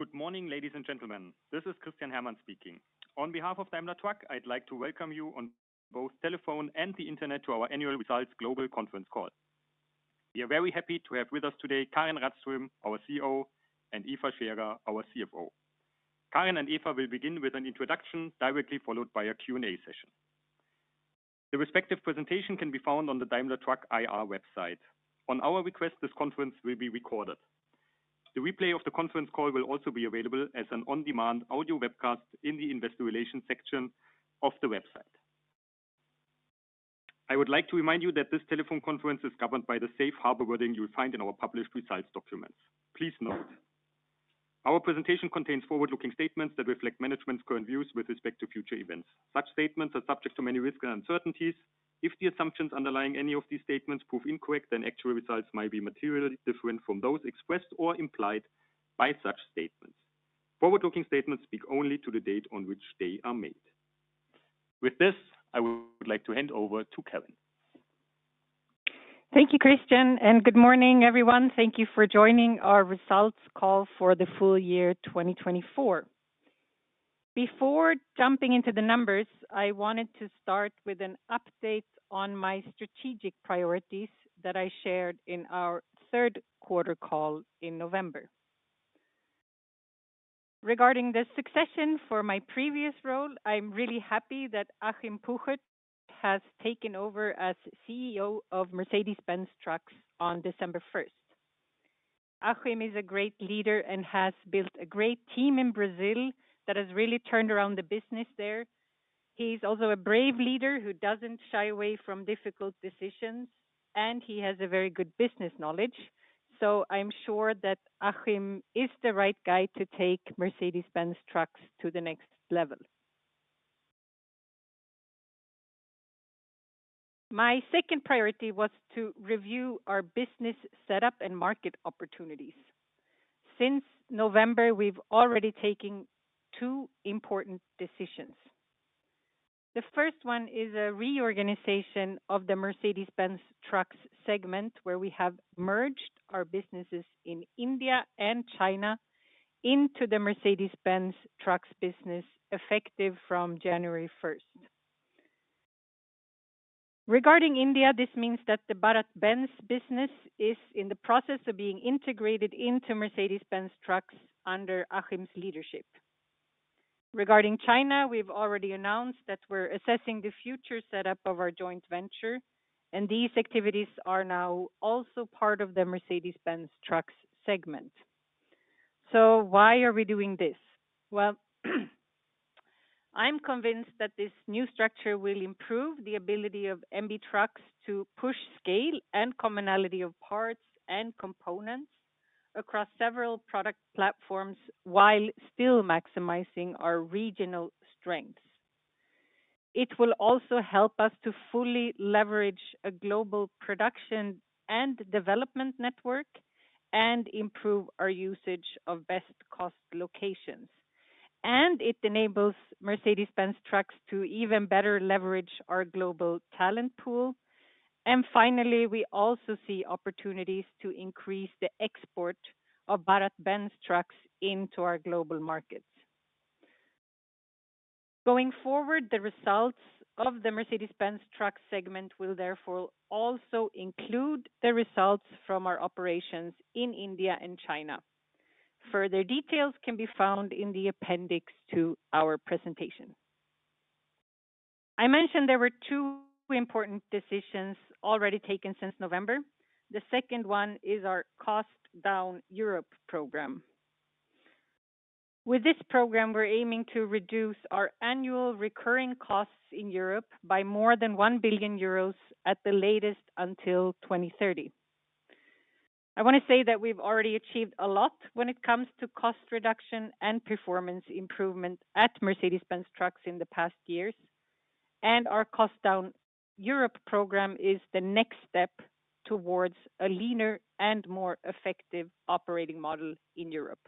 Good morning, ladies and gentlemen. This is Christian Herrmann speaking. On behalf of Daimler Truck, I'd like to welcome you on both telephone and the internet to our annual results global conference call. We are very happy to have with us today Karin Rådström, our CEO, and Eva Scherer, our CFO. Karin and Eva will begin with an introduction, directly followed by a Q&A session. The respective presentation can be found on the Daimler Truck IR website. On our request, this conference will be recorded. The replay of the conference call will also be available as an on-demand audio webcast in the investor relations section of the website. I would like to remind you that this telephone conference is governed by the safe harbor wording you'll find in our published results documents. Please note. Our presentation contains forward-looking statements that reflect management's current views with respect to future events. Such statements are subject to many risks and uncertainties. If the assumptions underlying any of these statements prove incorrect, then actual results may be materially different from those expressed or implied by such statements. Forward-looking statements speak only to the date on which they are made. With this, I would like to hand over to Karin. Thank you, Christian, and good morning, everyone. Thank you for joining our results call for the full year 2024. Before jumping into the numbers, I wanted to start with an update on my strategic priorities that I shared in our third quarter call in November. Regarding the succession for my previous role, I'm really happy that Achim Puchert has taken over as CEO of Mercedes-Benz Trucks on December 1st. Achim is a great leader and has built a great team in Brazil that has really turned around the business there. He's also a brave leader who doesn't shy away from difficult decisions, and he has a very good business knowledge. I am sure that Achim is the right guy to take Mercedes-Benz Trucks to the next level. My second priority was to review our business setup and market opportunities. Since November, we've already taken two important decisions. The first one is a reorganization of the Mercedes-Benz Trucks segment, where we have merged our businesses in India and China into the Mercedes-Benz Trucks business, effective from January 1st. Regarding India, this means that the BharatBenz business is in the process of being integrated into Mercedes-Benz Trucks under Achim's leadership. Regarding China, we've already announced that we're assessing the future setup of our joint venture, and these activities are now also part of the Mercedes-Benz Trucks segment. Why are we doing this? I'm convinced that this new structure will improve the ability of Mercedes-Benz Trucks to push scale and commonality of parts and components across several product platforms while still maximizing our regional strengths. It will also help us to fully leverage a global production and development network and improve our usage of best cost locations. It enables Mercedes-Benz Trucks to even better leverage our global talent pool. Finally, we also see opportunities to increase the export of BharatBenz Trucks into our global markets. Going forward, the results of the Mercedes-Benz Trucks segment will therefore also include the results from our operations in India and China. Further details can be found in the appendix to our presentation. I mentioned there were two important decisions already taken since November. The second one is our Cost Down Europe program. With this program, we're aiming to reduce our annual recurring costs in Europe by more than 1 billion euros at the latest until 2030. I want to say that we've already achieved a lot when it comes to cost reduction and performance improvement at Mercedes-Benz Trucks in the past years. Our Cost Down Europe program is the next step towards a leaner and more effective operating model in Europe.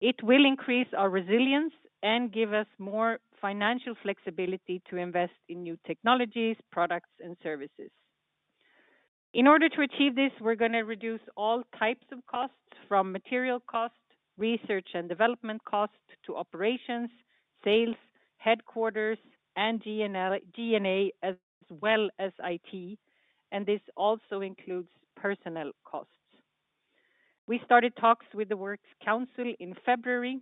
It will increase our resilience and give us more financial flexibility to invest in new technologies, products, and services. In order to achieve this, we're going to reduce all types of costs, from material costs, research and development costs, to operations, sales, headquarters, and GNA, as well as IT. This also includes personnel costs. We started talks with the Works Council in February,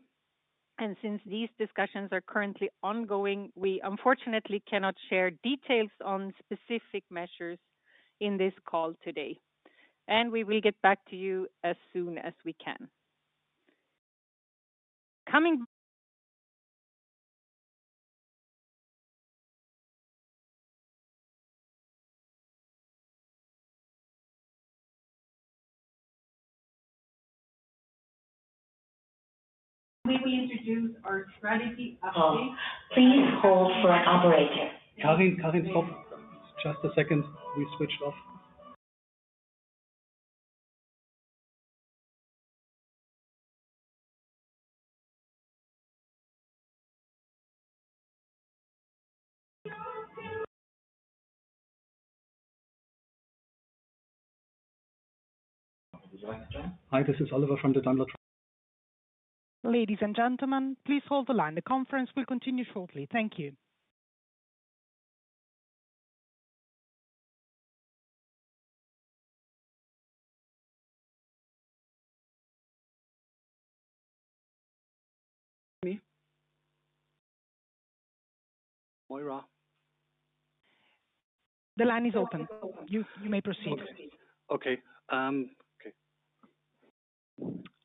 and since these discussions are currently ongoing, we unfortunately cannot share details on specific measures in this call today. We will get back to you as soon as we can. Coming. We will introduce our strategy update. Oh, please hold for an operator. Karin, stop just a second. We switched off. Hi, this is Oliver from Daimler Truck. Ladies and gentlemen, please hold the line. The conference will continue shortly. Thank you. Me. Moira. The line is open. You may proceed. Okay. Okay.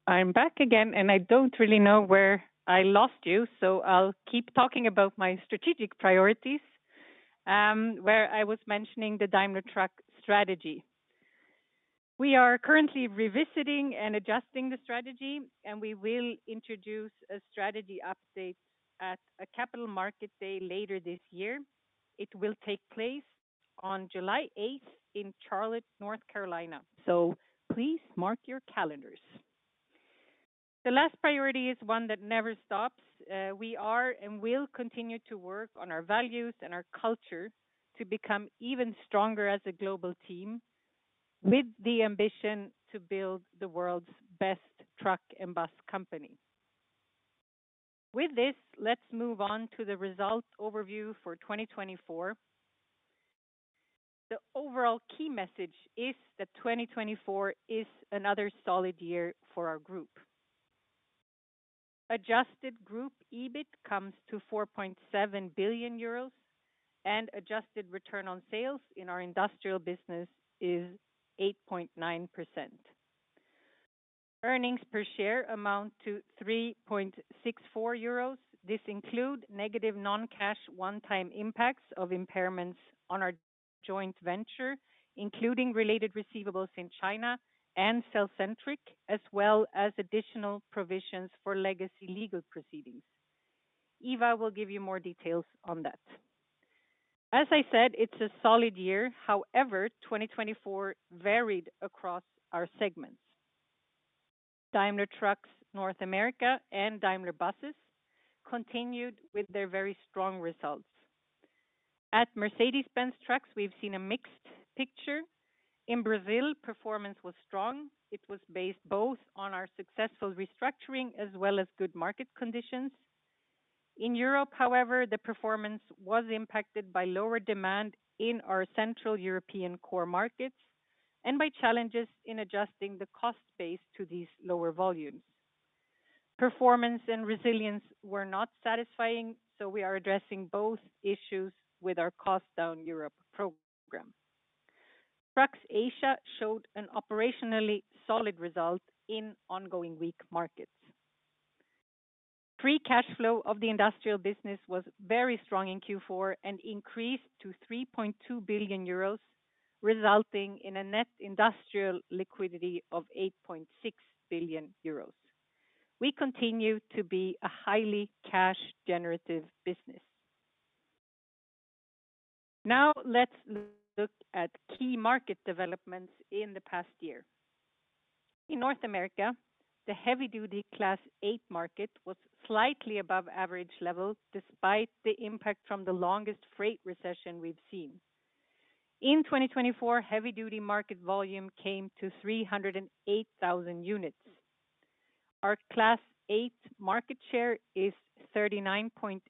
I'm back again, and I don't really know where I lost you, so I'll keep talking about my strategic priorities, where I was mentioning the Daimler Truck strategy. We are currently revisiting and adjusting the strategy, and we will introduce a strategy update at a capital market day later this year. It will take place on July 8th in Charlotte, North Carolina. Please mark your calendars. The last priority is one that never stops. We are and will continue to work on our values and our culture to become even stronger as a global team, with the ambition to build the world's best truck and bus company. With this, let's move on to the result overview for 2024. The overall key message is that 2024 is another solid year for our group. Adjusted group EBIT comes to 4.7 billion euros, and adjusted return on sales in our industrial business is 8.9%. Earnings per share amount to 3.64 euros. This includes negative non-cash one-time impacts of impairments on our joint venture, including related receivables in China and CellCentric, as well as additional provisions for legacy legal proceedings. Eva will give you more details on that. As I said, it's a solid year. However, 2024 varied across our segments. Daimler Trucks North America and Daimler Buses continued with their very strong results. At Mercedes-Benz Trucks, we've seen a mixed picture. In Brazil, performance was strong. It was based both on our successful restructuring as well as good market conditions. In Europe, however, the performance was impacted by lower demand in our Central European core markets and by challenges in adjusting the cost base to these lower volumes. Performance and resilience were not satisfying, so we are addressing both issues with our Cost Down Europe program. Trucks Asia showed an operationally solid result in ongoing weak markets. Pre-cash flow of the industrial business was very strong in Q4 and increased to 3.2 billion euros, resulting in a net industrial liquidity of 8.6 billion euros. We continue to be a highly cash-generative business. Now let's look at key market developments in the past year. In North America, the heavy-duty Class 8 market was slightly above average level, despite the impact from the longest freight recession we've seen. In 2024, heavy-duty market volume came to 308,000 units. Our Class 8 market share is 39.8%,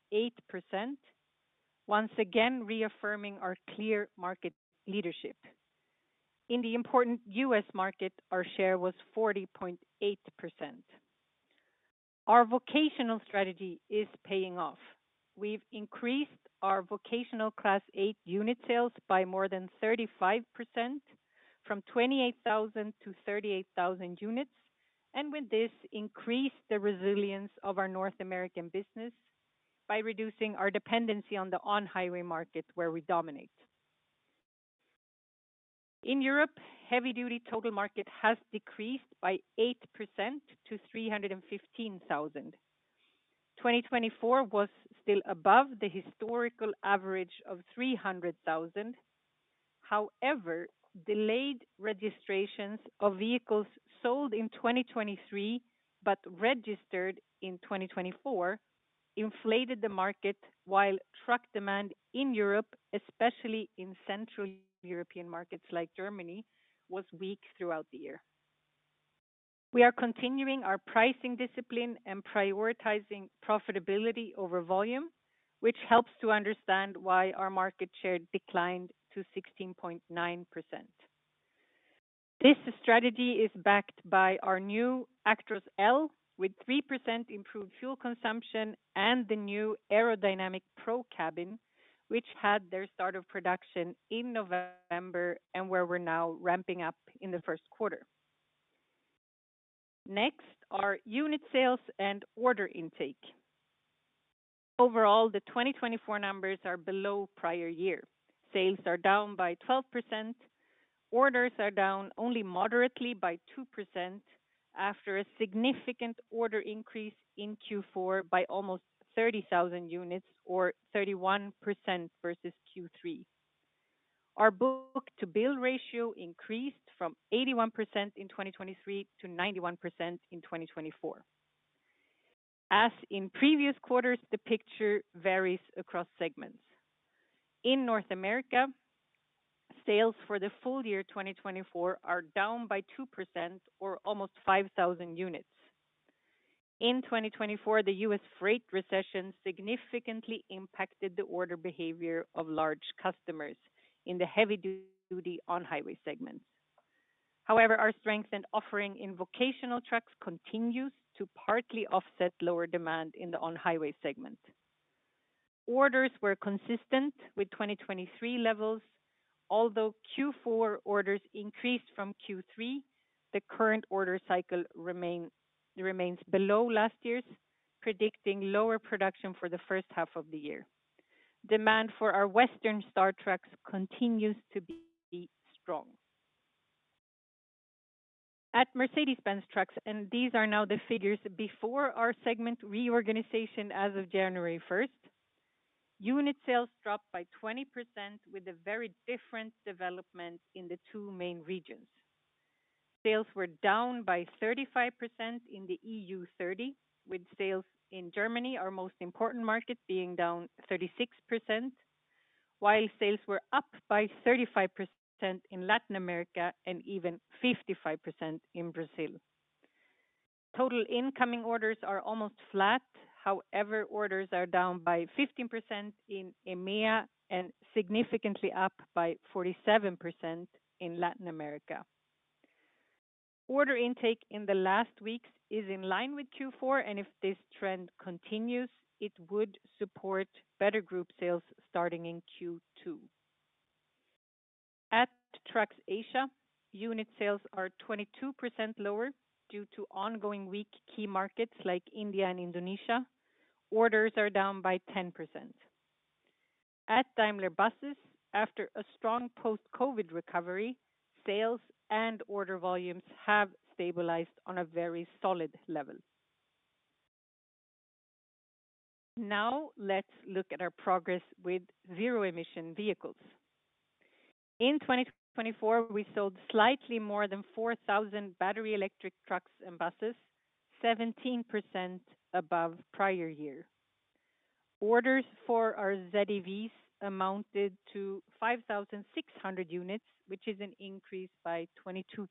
once again reaffirming our clear market leadership. In the important U.S. market, our share was 40.8%. Our vocational strategy is paying off. We've increased our vocational Class 8 unit sales by more than 35%, from 28,000 units-38,000 units, and with this increased the resilience of our North American business by reducing our dependency on the on-highway market, where we dominate. In Europe, heavy-duty total market has decreased by 8% to 315,000. 2024 was still above the historical average of 300,000. However, delayed registrations of vehicles sold in 2023 but registered in 2024 inflated the market, while truck demand in Europe, especially in Central European markets like Germany, was weak throughout the year. We are continuing our pricing discipline and prioritizing profitability over volume, which helps to understand why our market share declined to 16.9%. This strategy is backed by our new Actros L with 3% improved fuel consumption and the new Aerodynamic Pro cabin, which had their start of production in November and where we're now ramping up in the first quarter. Next are unit sales and order intake. Overall, the 2024 numbers are below prior-year. Sales are down by 12%. Orders are down only moderately by 2% after a significant order increase in Q4 by almost 30,000 units, or 31% versus Q3. Our book-to-bill ratio increased from 81% in 2023 to 91% in 2024. As in previous quarters, the picture varies across segments. In North America, sales for the full year 2024 are down by 2%, or almost 5,000 units. In 2024, the U.S. freight recession significantly impacted the order behavior of large customers in the heavy-duty on-highway segments. However, our strength in offering in vocational trucks continues to partly offset lower demand in the on-highway segment. Orders were consistent with 2023 levels. Although Q4 orders increased from Q3, the current order cycle remains below last year's, predicting lower production for the first half of the year. Demand for our Western Star trucks continues to be strong. At Mercedes-Benz Trucks, and these are now the figures before our segment reorganization as of January 1, unit sales dropped by 20% with a very different development in the two main regions. Sales were down by 35% in the EU 30, with sales in Germany, our most important market, being down 36%, while sales were up by 35% in Latin America and even 55% in Brazil. Total incoming orders are almost flat. However, orders are down by 15% in EMEA and significantly up by 47% in Latin America. Order intake in the last weeks is in line with Q4, and if this trend continues, it would support better group sales starting in Q2. At Trucks Asia, unit sales are 22% lower due to ongoing weak key markets like India and Indonesia. Orders are down by 10%. At Daimler Buses, after a strong post-COVID recovery, sales and order volumes have stabilized on a very solid level. Now let's look at our progress with zero-emission vehicles. In 2024, we sold slightly more than 4,000 battery-electric trucks and buses, 17% above prior year. Orders for our ZEVs amounted to 5,600 units, which is an increase by 22%.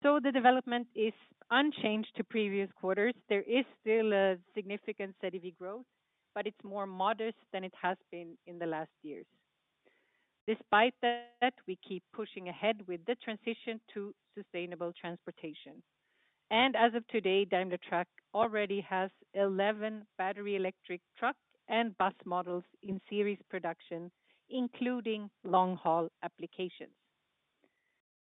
The development is unchanged to previous quarters. There is still a significant ZEV growth, but it's more modest than it has been in the last years. Despite that, we keep pushing ahead with the transition to sustainable transportation. As of today, Daimler Truck already has 11 battery-electric truck and bus models in series production, including long-haul applications.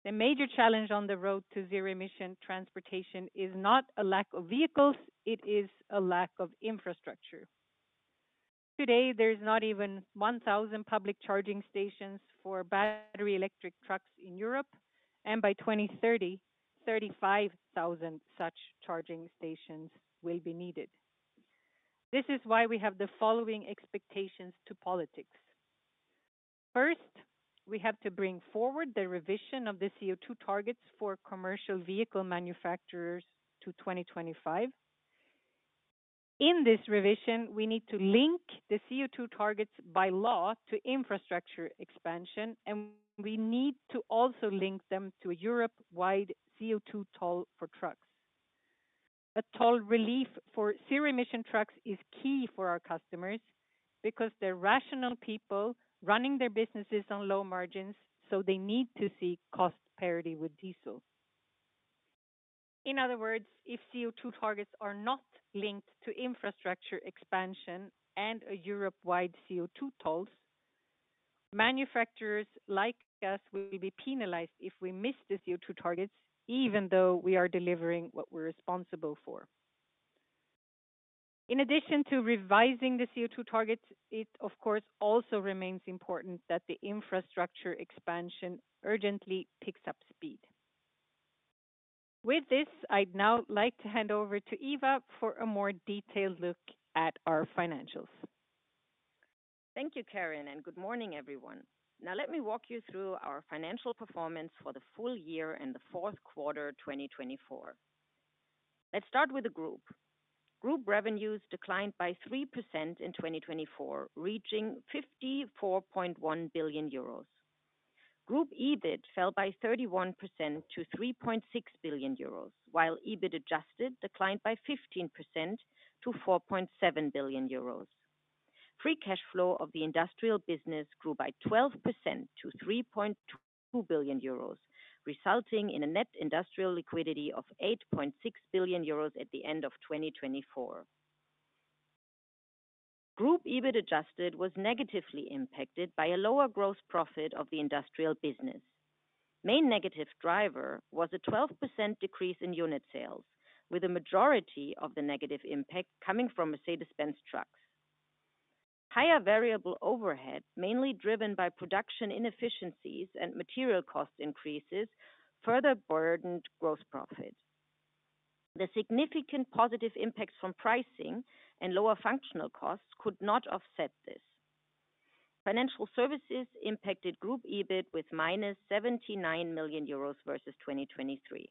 The major challenge on the road to zero-emission transportation is not a lack of vehicles; it is a lack of infrastructure. Today, there's not even 1,000 public charging stations for battery-electric trucks in Europe, and by 2030, 35,000 such charging stations will be needed. This is why we have the following expectations to politics. First, we have to bring forward the revision of the CO2 targets for commercial vehicle manufacturers to 2025. In this revision, we need to link the CO2 targets by law to infrastructure expansion, and we need to also link them to a Europe-wide CO2 toll for trucks. A toll relief for zero-emission trucks is key for our customers because they're rational people running their businesses on low margins, so they need to see cost parity with diesel. In other words, if CO2 targets are not linked to infrastructure expansion and a Europe-wide CO2 tolls, manufacturers like us will be penalized if we miss the CO2 targets, even though we are delivering what we're responsible for. In addition to revising the CO2 targets, it, of course, also remains important that the infrastructure expansion urgently picks up speed. With this, I'd now like to hand over to Eva for a more detailed look at our financials. Thank you, Karin, and good morning, everyone. Now let me walk you through our financial performance for the full year and the fourth quarter 2024. Let's start with the group. Group revenues declined by 3% in 2024, reaching 54.1 billion euros. Group EBIT fell by 31% to 3.6 billion euros, while EBIT adjusted declined by 15% to 4.7 billion euros. Free cash flow of the industrial business grew by 12% to 3.2 billion euros, resulting in a net industrial liquidity of 8.6 billion euros at the end of 2024. Group EBIT adjusted was negatively impacted by a lower gross profit of the industrial business. Main negative driver was a 12% decrease in unit sales, with a majority of the negative impact coming from Mercedes-Benz Trucks. Higher variable overhead, mainly driven by production inefficiencies and material cost increases, further burdened gross profit. The significant positive impacts from pricing and lower functional costs could not offset this. Financial services impacted group with minus 79 million euros versus 2023.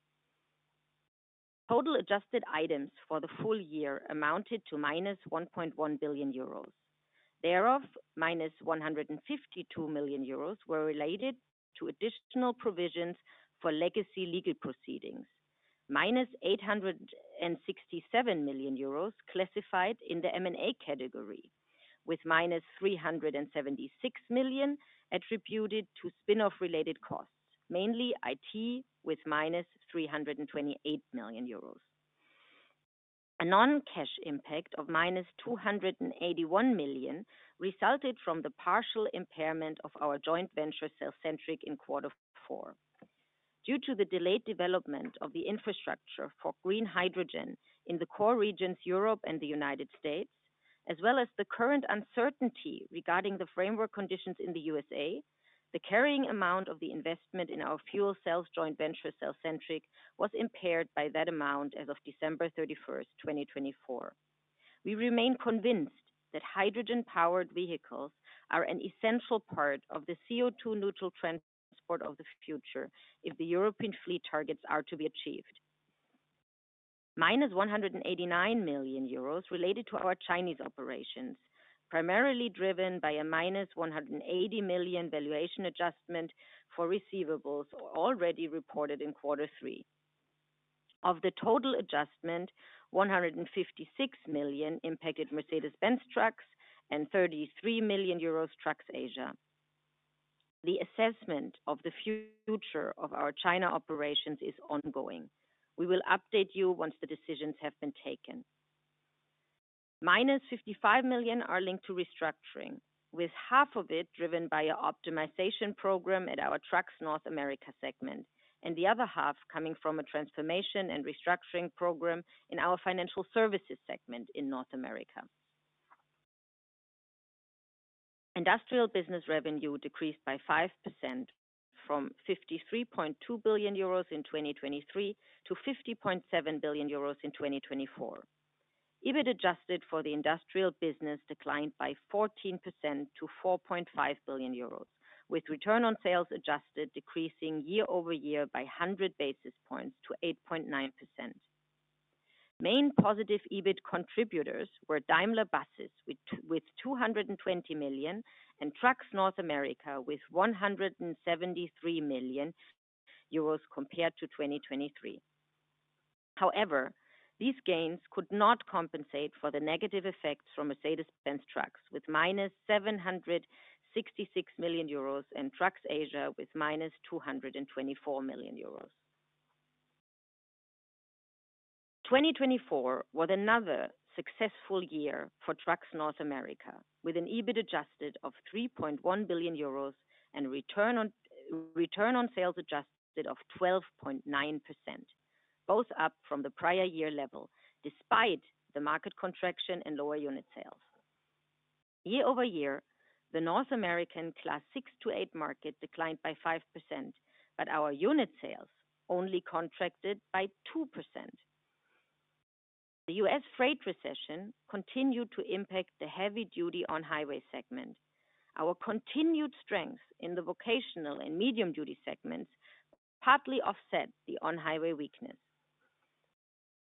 Total adjusted items for the full year Thereof, minus 152 million euros were related to additional provisions for legacy proceedings, minus 867 million euros classified in the M&A category, with 376 million attributed to spinoff-related costs, mainly with minus 328 million euros. A non-cash of minus 281 million resulted from the partial impairment of our joint venture, CellCentric, in quarter four. Due to the delayed development of the infrastructure for green hydrogen in the core regions, Europe and the United States, as well as the current uncertainty regarding the framework conditions in the USA, the carrying amount of the investment in our fuel cells joint venture, CellCentric, was impaired by that amount as of December 31, 2024. We remain convinced that hydrogen-powered vehicles are an essential part of the CO2-neutral transport of the future if the European fleet targets are to achieved. minus 189 million euros related to our Chinese operations, primarily driven a minus 180 million valuation adjustment for receivables already reported in quarter three. Of the total adjustment, 156 million impacted Mercedes-Benz Trucks and 33 million euros Trucks Asia. The assessment of the future of our China operations is ongoing. We will update you once the decisions have taken. minus 55 million are linked to restructuring, with half of it driven by an optimization program at our Trucks North America segment and the other half coming from a transformation and restructuring program in our financial services segment in North America. Industrial business revenue decreased by 5% from 53.2 billion euros in 2023 to 50.7 billion euros in 2024. EBIT adjusted for the industrial business declined by 14% to 4.5 billion euros, with return on sales adjusted decreasing year-over-year by 100 basis points to 8.9%. Main positive EBIT contributors were Daimler Buses with 220 million and Trucks North America with 173 million euros compared to 2023. However, these gains could not compensate for the negative effects from Mercedes-Benz with minus 766 million euros and Trucks with minus 224 million euros. 2024 was another successful year for Trucks North America, with an EBIT adjusted of 3.1 billion euros and return on sales adjusted of 12.9%, both up from the prior year level despite the market contraction and lower unit sales. Year-over-year, the North American Class 6-8 market declined by 5%, but our unit sales only contracted by 2%. The U.S. freight recession continued to impact the heavy-duty on-highway segment. Our continued strength in the vocational and medium-duty segments partly offset the on-highway weakness.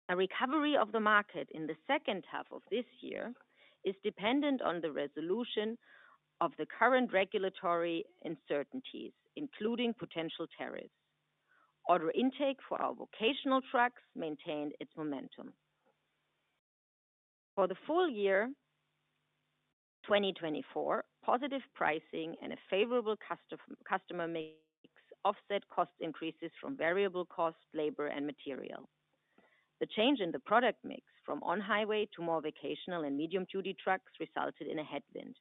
A recovery of the market in the second half of this year is dependent on the resolution of the current regulatory uncertainties, including potential tariffs. Order intake for our vocational trucks maintained its momentum. For the full year 2024, positive pricing and a favorable customer mix offset cost increases from variable cost, labor, and material. The change in the product mix from on-highway to more vocational and medium-duty trucks resulted in a headwind.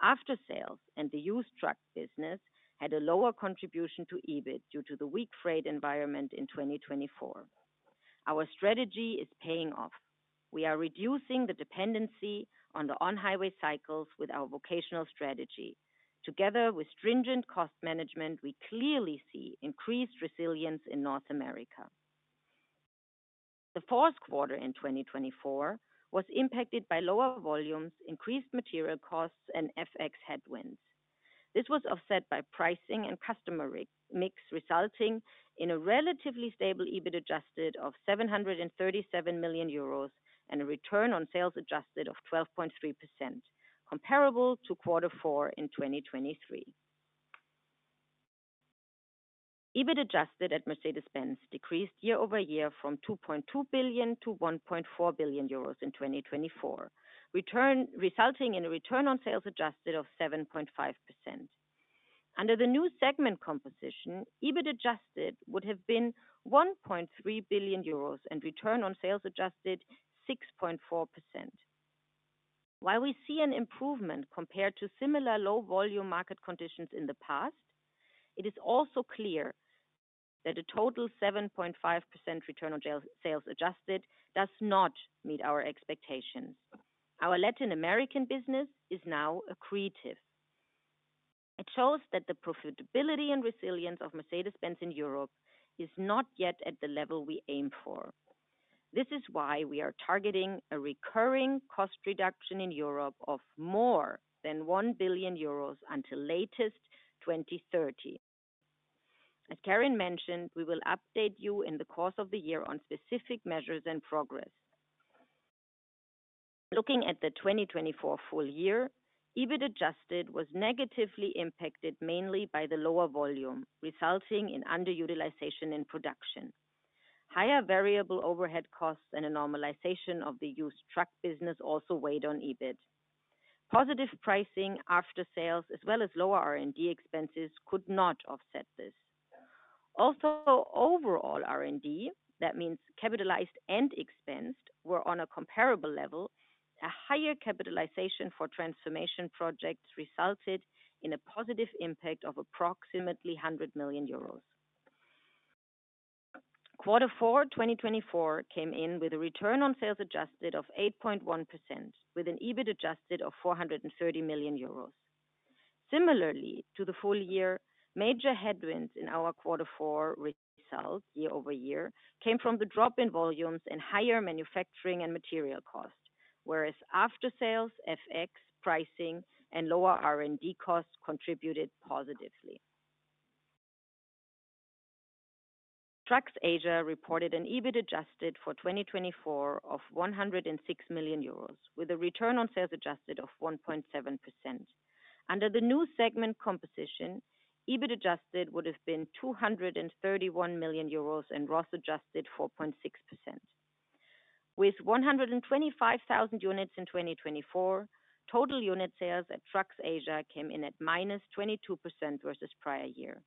After-sales and the used truck business had a lower contribution to EBIT due to the weak freight environment in 2024. Our strategy is paying off. We are reducing the dependency on the on-highway cycles with our vocational strategy. Together with stringent cost management, we clearly see increased resilience in North America. The fourth quarter in 2024 was impacted by lower volumes, increased material costs, and FX headwinds. This was offset by pricing and customer mix, resulting in a relatively stable EBIT adjusted of 737 million euros and a return on sales adjusted of 12.3%, comparable to quarter four in 2023. EBIT adjusted at Mercedes-Benz decreased year-over-year from 2.2 billion to 1.4 billion euros in 2024, resulting in a return on sales adjusted of 7.5%. Under the new segment composition, EBIT adjusted would have been 1.3 billion euros and return on sales adjusted 6.4%. While we see an improvement compared to similar low-volume market conditions in the past, it is also clear that a total 7.5% return on sales adjusted does not meet our expectations. Our Latin American business is now accretive. It shows that the profitability and resilience of Mercedes-Benz in Europe is not yet at the level we aim for. This is why we are targeting a recurring cost reduction in Europe of more than 1 billion euros until latest 2030. As Karin mentioned, we will update you in the course of the year on specific measures and progress. Looking at the 2024 full year, EBIT adjusted was negatively impacted mainly by the lower volume, resulting in underutilization in production. Higher variable overhead costs and a normalization of the used truck business also weighed on EBIT. Positive pricing after-sales, as well as lower R&D expenses, could not offset this. Although overall R&D, that means capitalized and expensed, were on a comparable level, a higher capitalization for transformation projects resulted in a positive impact of approximately 100 million euros. Quarter four 2024 came in with a return on sales adjusted of 8.1%, with an EBIT adjusted of 430 million euros. Similarly to the full year, major headwinds in our quarter four results year-over-year came from the drop in volumes and higher manufacturing and material costs, whereas after-sales, FX pricing, and lower R&D costs contributed positively. Trucks Asia reported an EBIT adjusted for 2024 of 106 million euros, with a return on sales adjusted of 1.7%. Under the new segment composition, EBIT adjusted would have been 231 million euros and ROS adjusted 4.6%. With 125,000 units in 2024, total unit sales at Trucks Asia came in at minus 22% versus prior year.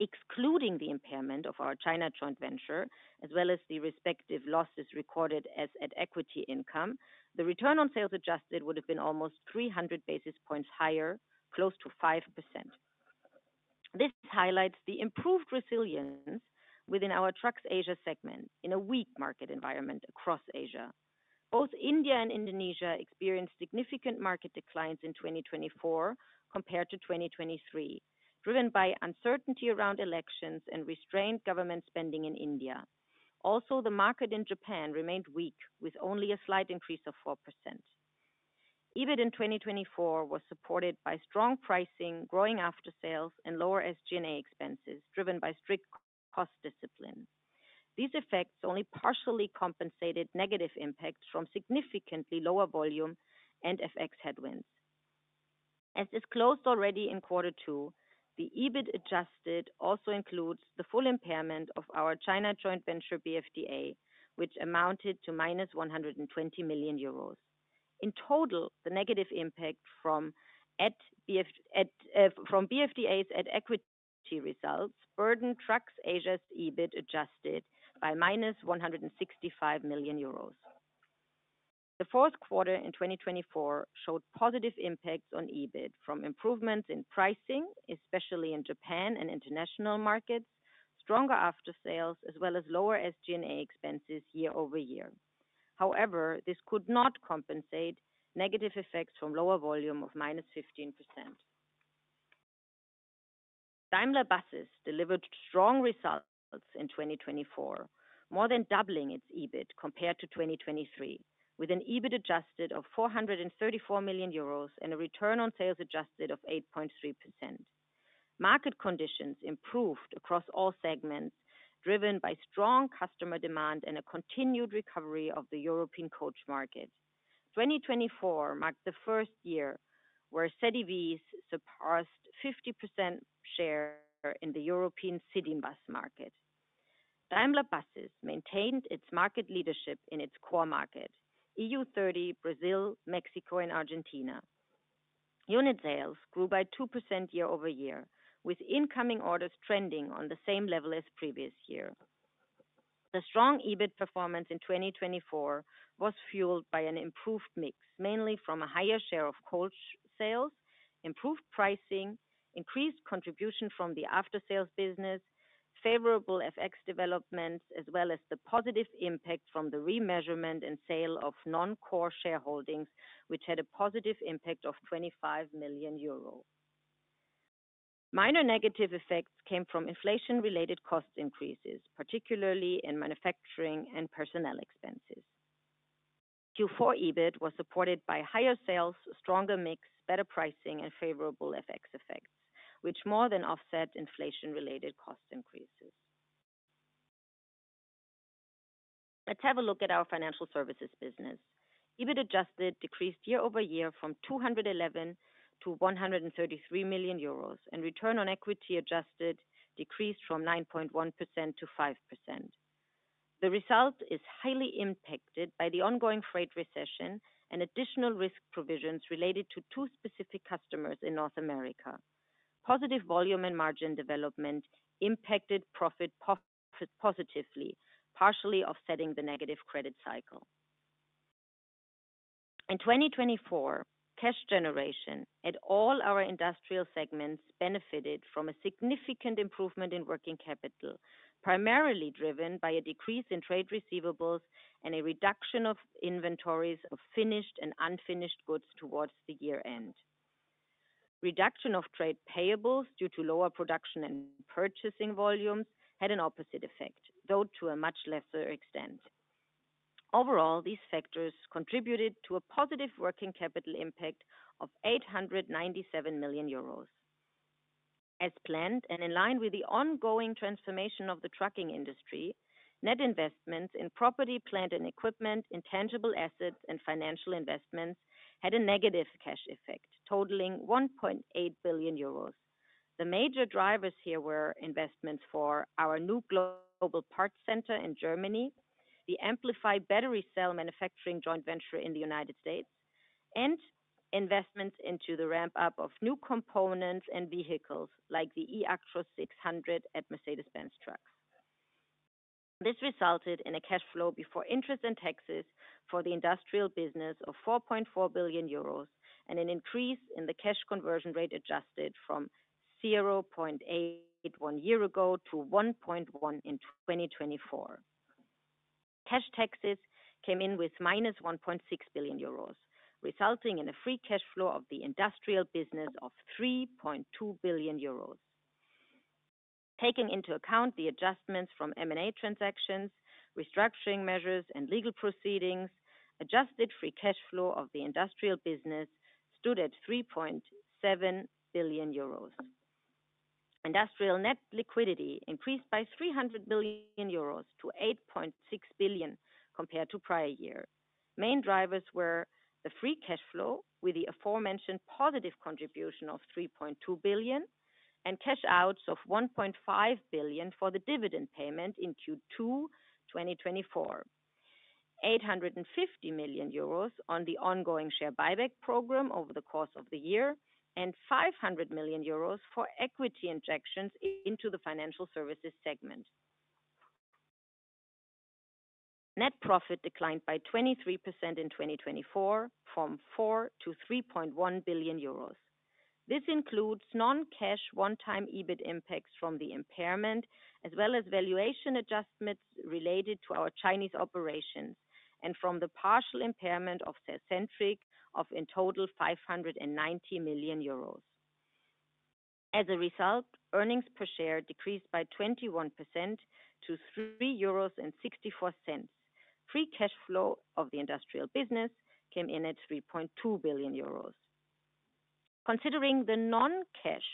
Excluding the impairment of our China joint venture, as well as the respective losses recorded as at equity income, the return on sales adjusted would have been almost 300 basis points higher, close to 5%. This highlights the improved resilience within our Trucks Asia segment in a weak market environment across Asia. Both India and Indonesia experienced significant market declines in 2024 compared to 2023, driven by uncertainty around elections and restrained government spending in India. Also, the market in Japan remained weak, with only a slight increase of 4%. EBIT in 2024 was supported by strong pricing, growing after-sales, and lower SG&A expenses driven by strict cost discipline. These effects only partially compensated negative impacts from significantly lower volume and FX headwinds. As disclosed already in quarter two, the EBIT adjusted also includes the full impairment of our China joint venture BFDA, which amounted minus 120 million euros. In total, the negative impact from BFDA's at equity results burdened Trucks Asia's EBIT adjusted minus 165 million euros. The fourth quarter in 2024 showed positive impacts on EBIT from improvements in pricing, especially in Japan and international markets, stronger after-sales, as well as lower SG&A expenses year-over-year. However, this could not compensate negative effects from lower volume of minus 15%. Daimler Buses delivered strong results in 2024, more than doubling its EBIT compared to 2023, with an EBIT adjusted of 434 million euros and a return on sales adjusted of 8.3%. Market conditions improved across all segments, driven by strong customer demand and a continued recovery of the European coach market. 2024 marked the first year where ZEVs surpassed 50% share in the European city bus market. Daimler Buses maintained its market leadership in its core market, EU30, Brazil, Mexico, and Argentina. Unit sales grew by 2% year-over-year, with incoming orders trending on the same level as previous year. The strong EBIT performance in 2024 was fueled by an improved mix, mainly from a higher share of coach sales, improved pricing, increased contribution from the after-sales business, favorable FX developments, as well as the positive impact from the remeasurement and sale of non-core shareholdings, which had a positive impact of 25 million euro. Minor negative effects came from inflation-related cost increases, particularly in manufacturing and personnel expenses. Q4 EBIT was supported by higher sales, stronger mix, better pricing, and favorable FX effects, which more than offset inflation-related cost increases. Let's have a look at our financial services business. EBIT adjusted decreased year-over-year from 211 million to 133 million euros, and return on equity adjusted decreased from 9.1%-5%. The result is highly impacted by the ongoing freight recession and additional risk provisions related to two specific customers in North America. Positive volume and margin development impacted profit positively, partially offsetting the negative credit cycle. In 2024, cash generation at all our industrial segments benefited from a significant improvement in working capital, primarily driven by a decrease in trade receivables and a reduction of inventories of finished and unfinished goods towards the year-end. Reduction of trade payables due to lower production and purchasing volumes had an opposite effect, though to a much lesser extent. Overall, these factors contributed to a positive working capital impact of 897 million euros. As planned and in line with the ongoing transformation of the trucking industry, net investments in property, plant and equipment, intangible assets, and financial investments had a negative cash effect, totaling 1.8 billion euros. The major drivers here were investments for our new global parts center in Germany, the Amplify Battery Cell Manufacturing Joint Venture in the United States, and investments into the ramp-up of new components and vehicles like the eActros 600 at Mercedes-Benz Trucks. This resulted in a cash flow before interest and taxes for the industrial business of 4.4 billion euros and an increase in the cash conversion rate adjusted from 0.81 a year ago to 1.1 in 2024. Cash taxes came in minus 1.6 billion euros, resulting in a free cash flow of the industrial business of 3.2 billion euros. Taking into account the adjustments from M&A transactions, restructuring measures, and legal proceedings, adjusted free cash flow of the industrial business stood at 3.7 billion euros. Industrial net liquidity increased by 300 million euros to 8.6 billion compared to prior year. Main drivers were the free cash flow with the aforementioned positive contribution of 3.2 billion and cash outs of 1.5 billion for the dividend payment in Q2 2024, 850 million euros on the ongoing share buyback program over the course of the year, and 500 million euros for equity injections into the financial services segment. Net profit declined by 23% in 2024 from 4 billion-3.1 billion euros. This includes non-cash one-time EBIT impacts from the impairment, as well as valuation adjustments related to our Chinese operations and from the partial impairment of CellCentric of in total 590 million euros. As a result, earnings per share decreased by 21% to 3.64 euros. Free cash flow of the industrial business came in at 3.2 billion euros. Considering the non-cash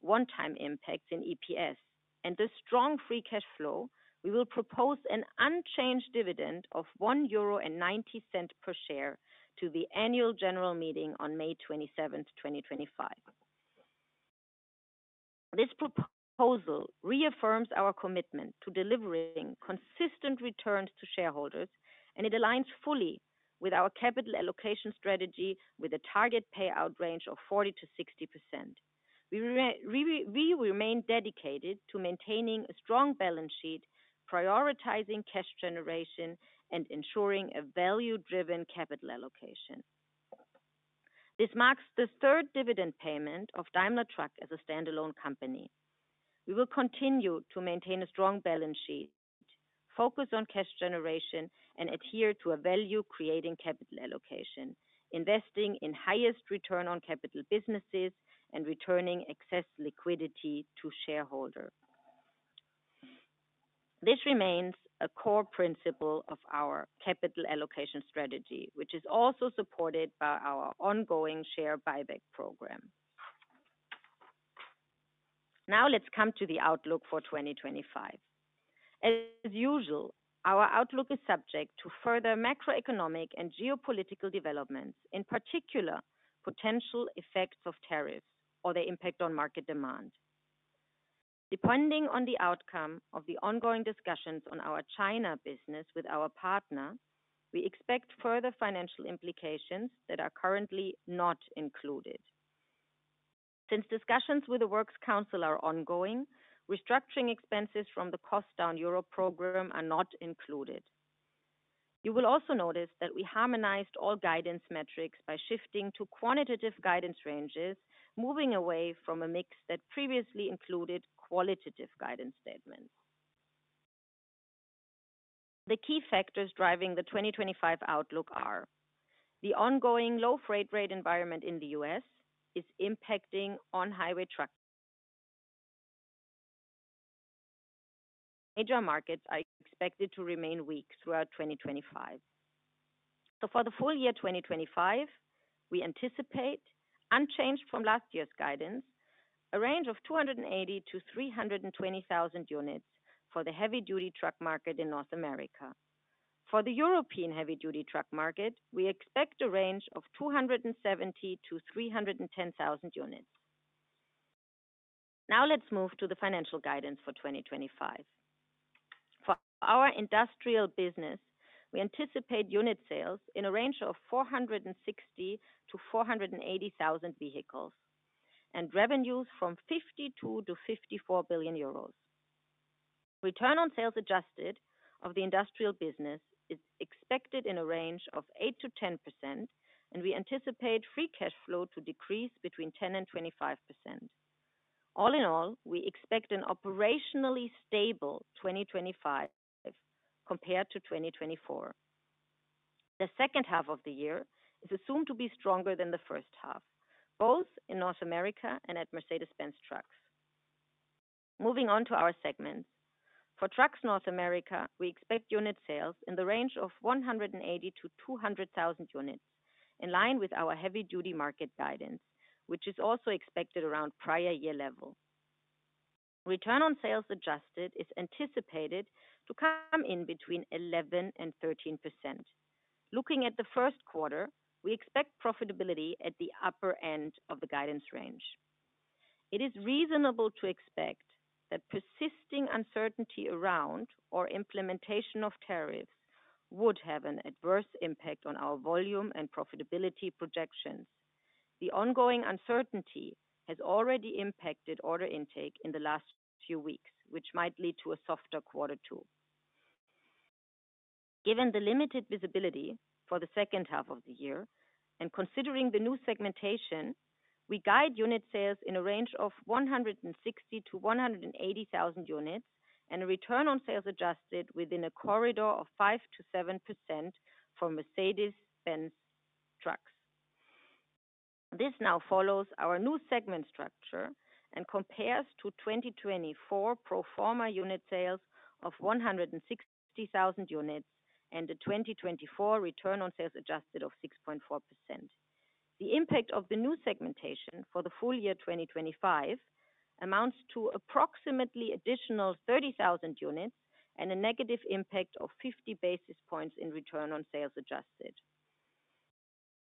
one-time impacts in EPS and the strong free cash flow, we will propose an unchanged dividend of 1.90 euro per share to the annual general meeting on May 27, 2025. This proposal reaffirms our commitment to delivering consistent returns to shareholders, and it aligns fully with our capital allocation strategy with a target payout range of 40%-60%. We remain dedicated to maintaining a strong balance sheet, prioritizing cash generation, and ensuring a value-driven capital allocation. This marks the third dividend payment of Daimler Truck as a standalone company. We will continue to maintain a strong balance sheet, focus on cash generation, and adhere to a value-creating capital allocation, investing in highest return on capital businesses and returning excess liquidity to shareholders. This remains a core principle of our capital allocation strategy, which is also supported by our ongoing share buyback program. Now let's come to the outlook for 2025. As usual, our outlook is subject to further macroeconomic and geopolitical developments, in particular potential effects of tariffs or their impact on market demand. Depending on the outcome of the ongoing discussions on our China business with our partner, we expect further financial implications that are currently not included. Since discussions with the Works Council are ongoing, restructuring expenses from the cost-down Europe program are not included. You will also notice that we harmonized all guidance metrics by shifting to quantitative guidance ranges, moving away from a mix that previously included qualitative guidance statements. The key factors driving the 2025 outlook are the ongoing low freight rate environment in the U.S. is impacting on-highway truck major markets are expected to remain weak throughout 2025. For the full year 2025, we anticipate, unchanged from last year's guidance, a range of 280,000-320,000 units for the heavy-duty truck market in North America. For the European heavy-duty truck market, we expect a range of 270,000-310,000 units. Now let's move to the financial guidance for 2025. For our industrial business, we anticipate unit sales in a range of 460,000-480,000 vehicles and revenues from 52 billion-54 billion euros. Return on sales adjusted of the industrial business is expected in a range of 8%-10%, and we anticipate free cash flow to decrease between 10% and 25%. All in all, we expect an operationally stable 2025 compared to 2024. The second half of the year is assumed to be stronger than the first half, both in North America and at Mercedes-Benz Trucks. Moving on to our segments. For Trucks North America, we expect unit sales in the range of 180,000-200,000 units, in line with our heavy-duty market guidance, which is also expected around prior year level. Return on sales adjusted is anticipated to come in between 11%-13%. Looking at the first quarter, we expect profitability at the upper end of the guidance range. It is reasonable to expect that persisting uncertainty around our implementation of tariffs would have an adverse impact on our volume and profitability projections. The ongoing uncertainty has already impacted order intake in the last few weeks, which might lead to a softer quarter two. Given the limited visibility for the second half of the year and considering the new segmentation, we guide unit sales in a range of 160,000-180,000 units and a return on sales adjusted within a corridor of 5%-7% for Mercedes-Benz Trucks. This now follows our new segment structure and compares to 2024 pro forma unit sales of 160,000 units and the 2024 return on sales adjusted of 6.4%. The impact of the new segmentation for the full year 2025 amounts to approximately additional 30,000 units and a negative impact of 50 basis points in return on sales adjusted.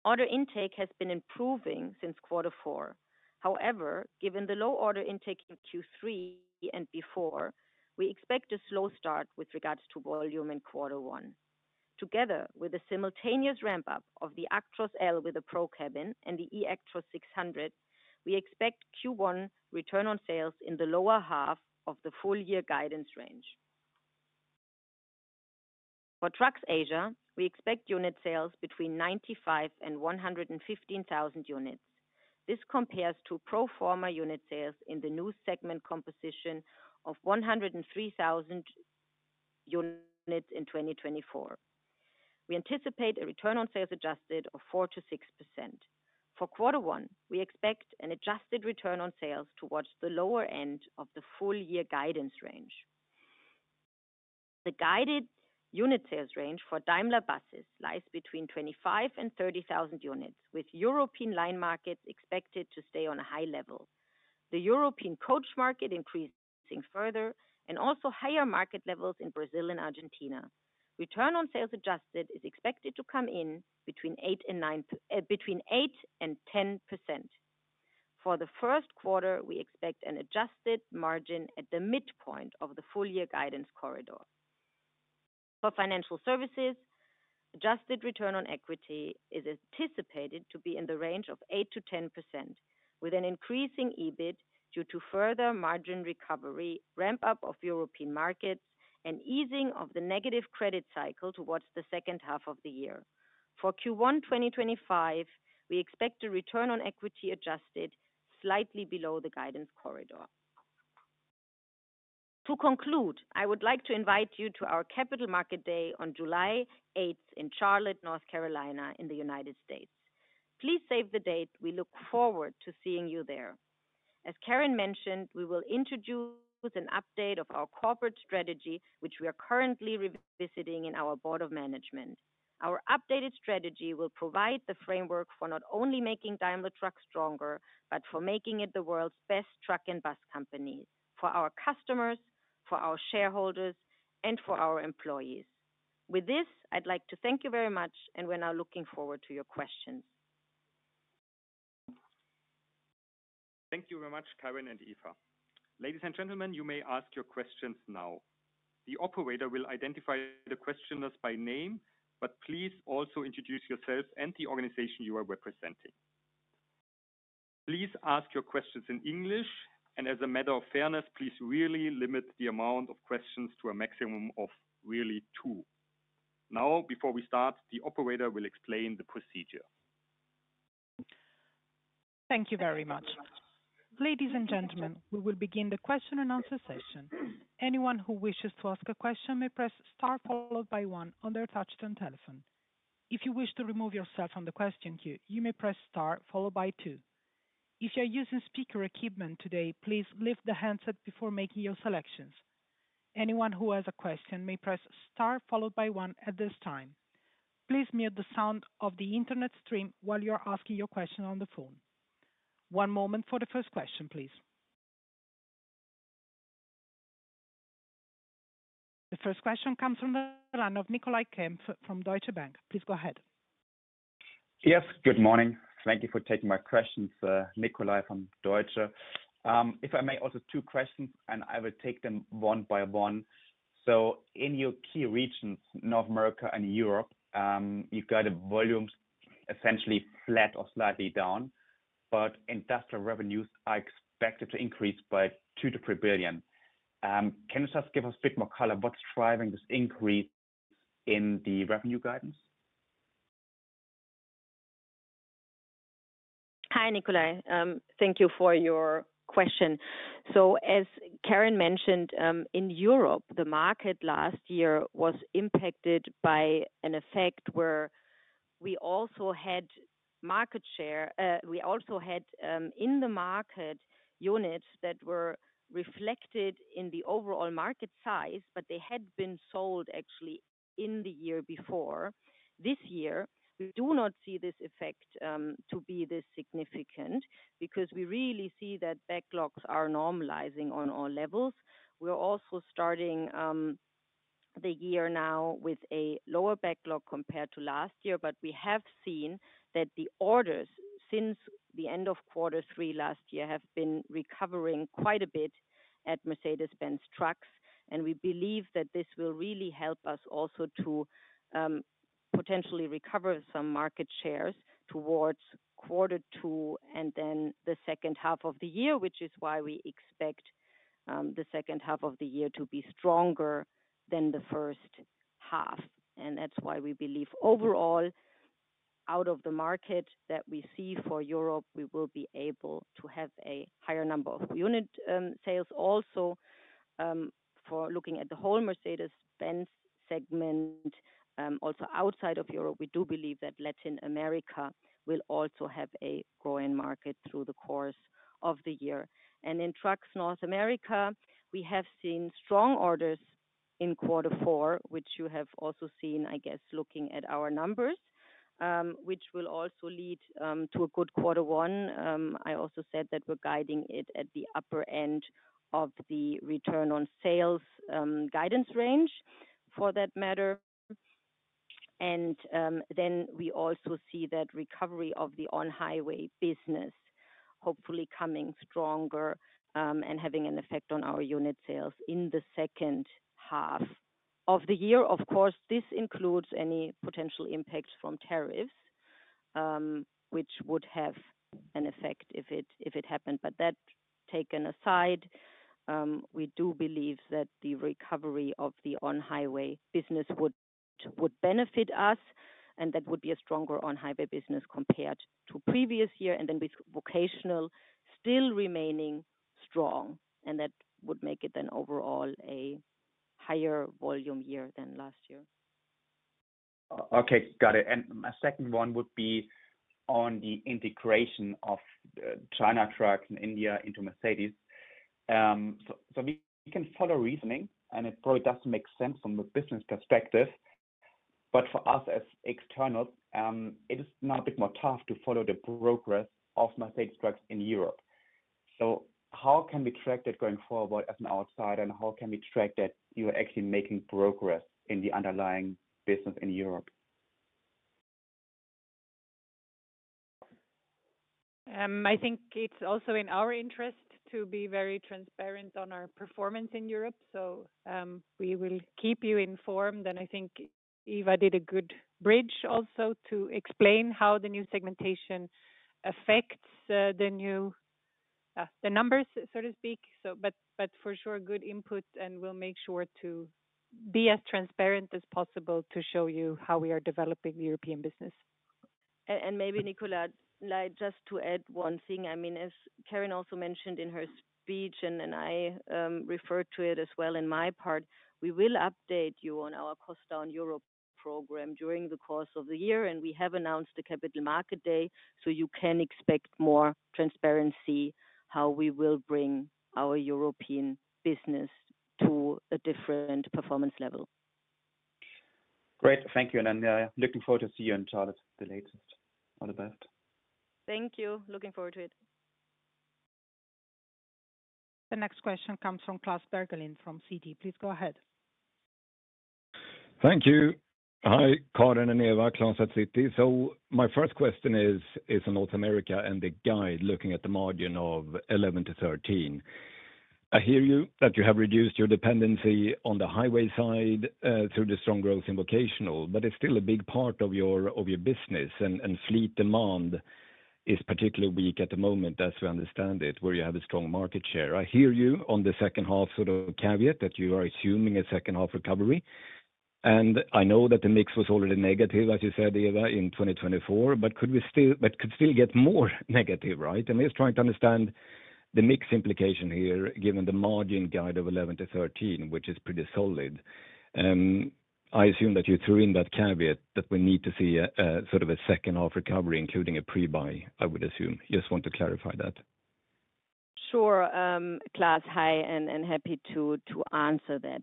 Order intake has been improving since quarter four. However, given the low order intake in Q3 and before, we expect a slow start with regards to volume in quarter one. Together with the simultaneous ramp-up of the Actros L with a Pro cabin and the eActros 600, we expect Q1 return on sales in the lower half of the full year guidance range. For Trucks Asia, we expect unit sales between 95,000 and 115,000 units. This compares to pro forma unit sales in the new segment composition of 103,000 units in 2024. We anticipate a return on sales adjusted of 4%-6%. For quarter one, we expect an adjusted return on sales towards the lower end of the full year guidance range. The guided unit sales range for Daimler Buses lies between 25,000 and 30,000 units, with European line markets expected to stay on a high level. The European coach market increasing further and also higher market levels in Brazil and Argentina. Return on sales adjusted is expected to come in between 8%-10%. For the first quarter, we expect an adjusted margin at the midpoint of the full year guidance corridor. For financial services, adjusted return on equity is anticipated to be in the range of 8%-10%, with an increasing EBIT due to further margin recovery, ramp-up of European markets, and easing of the negative credit cycle towards the second half of the year. For Q1 2025, we expect a return on equity adjusted slightly below the guidance corridor. To conclude, I would like to invite you to our Capital Market Day on July 8 in Charlotte, North Carolina, in the United States. Please save the date. We look forward to seeing you there. As Karin mentioned, we will introduce an update of our corporate strategy, which we are currently revisiting in our board of management. Our updated strategy will provide the framework for not only making Daimler Truck stronger, but for making it the world's best truck and bus company for our customers, for our shareholders, and for our employees. With this, I'd like to thank you very much, and we're now looking forward to your questions. Thank you very much, Karin and Eva. Ladies and gentlemen, you may ask your questions now. The operator will identify the questioners by name, but please also introduce yourself and the organization you are representing. Please ask your questions in English, and as a matter of fairness, please really limit the amount of questions to a maximum of really two. Now, before we start, the operator will explain the procedure. Thank you very much. Ladies and gentlemen, we will begin the question and answer session. Anyone who wishes to ask a question may press star followed by one on their touch tone telephone. If you wish to remove yourself from the question queue, you may press star followed by two. If you are using speaker equipment today, please lift the handset before making your selections. Anyone who has a question may press star followed by one at this time. Please mute the sound of the internet stream while you are asking your question on the phone. One moment for the first question, please. The first question comes from the line of Nicolai Kempf from Deutsche Bank. Please go ahead. Yes, good morning. Thank you for taking my questions, Nicolai from Deutsche. If I may, also two questions, and I will take them one by one. In your key regions, North America and Europe, you've got a volume essentially flat or slightly down, but industrial revenues are expected to increase by 2 billion-3 billion. Can you just give us a bit more color? What's driving this increase in the revenue guidance? Hi, Nicolai. Thank you for your question. As Karin mentioned, in Europe, the market last year was impacted by an effect where we also had market share. We also had in the market units that were reflected in the overall market size, but they had been sold actually in the year before. This year, we do not see this effect to be this significant because we really see that backlogs are normalizing on all levels. We are also starting the year now with a lower backlog compared to last year, but we have seen that the orders since the end of quarter three last year have been recovering quite a bit at Mercedes-Benz Trucks, and we believe that this will really help us also to potentially recover some market shares towards quarter two and then the second half of the year, which is why we expect the second half of the year to be stronger than the first half. That is why we believe overall out of the market that we see for Europe, we will be able to have a higher number of unit sales also for looking at the whole Mercedes-Benz segment. Also outside of Europe, we do believe that Latin America will also have a growing market through the course of the year. In trucks North America, we have seen strong orders in quarter four, which you have also seen, I guess, looking at our numbers, which will also lead to a good quarter one. I also said that we're guiding it at the upper end of the return on sales guidance range for that matter. We also see that recovery of the on-highway business hopefully coming stronger and having an effect on our unit sales in the second half of the year. Of course, this includes any potential impacts from tariffs, which would have an effect if it happened. That taken aside, we do believe that the recovery of the on-highway business would benefit us, and that would be a stronger on-highway business compared to previous year. Vocational still remaining strong, and that would make it then overall a higher volume year than last year. Okay, got it. My second one would be on the integration of China trucks in India into Mercedes. We can follow reasoning, and it probably doesn't make sense from a business perspective, but for us as externals, it is now a bit more tough to follow the progress of Mercedes-Benz Trucks in Europe. How can we track that going forward as an outsider, and how can we track that you're actually making progress in the underlying business in Europe? I think it's also in our interest to be very transparent on our performance in Europe. We will keep you informed. I think Eva did a good bridge also to explain how the new segmentation affects the numbers, so to speak. For sure, good input, and we'll make sure to be as transparent as possible to show you how we are developing the European business. Maybe, Nikolai, just to add one thing. I mean, as Karin also mentioned in her speech, and I referred to it as well in my part, we will update you on our cost down Europe program during the course of the year, and we have announced the Capital Market Day, so you can expect more transparency how we will bring our European business to a different performance level. Great. Thank you. I'm looking forward to see you in Charlotte the latest. All the best. Thank you. Looking forward to it. The next question comes from Klas Henrik Bergelind from Citi. Please go ahead. Thank you. Hi, Karin and Eva, Klas at Citi. My first question is on North America and the guide looking at the margin of 11%-13%. I hear you that you have reduced your dependency on the highway side through the strong growth in vocational, but it is still a big part of your business, and fleet demand is particularly weak at the moment as we understand it, where you have a strong market share. I hear you on the second half sort of caveat that you are assuming a second half recovery. I know that the mix was already negative, as you said, Eva, in 2024, but could still get more negative, right? I am trying to understand the mix implication here given the margin guide of 11%-13%, which is pretty solid. I assume that you threw in that caveat that we need to see sort of a second half recovery, including a pre-buy, I would assume. Just want to clarify that. Sure, Klas. Hi, and happy to answer that.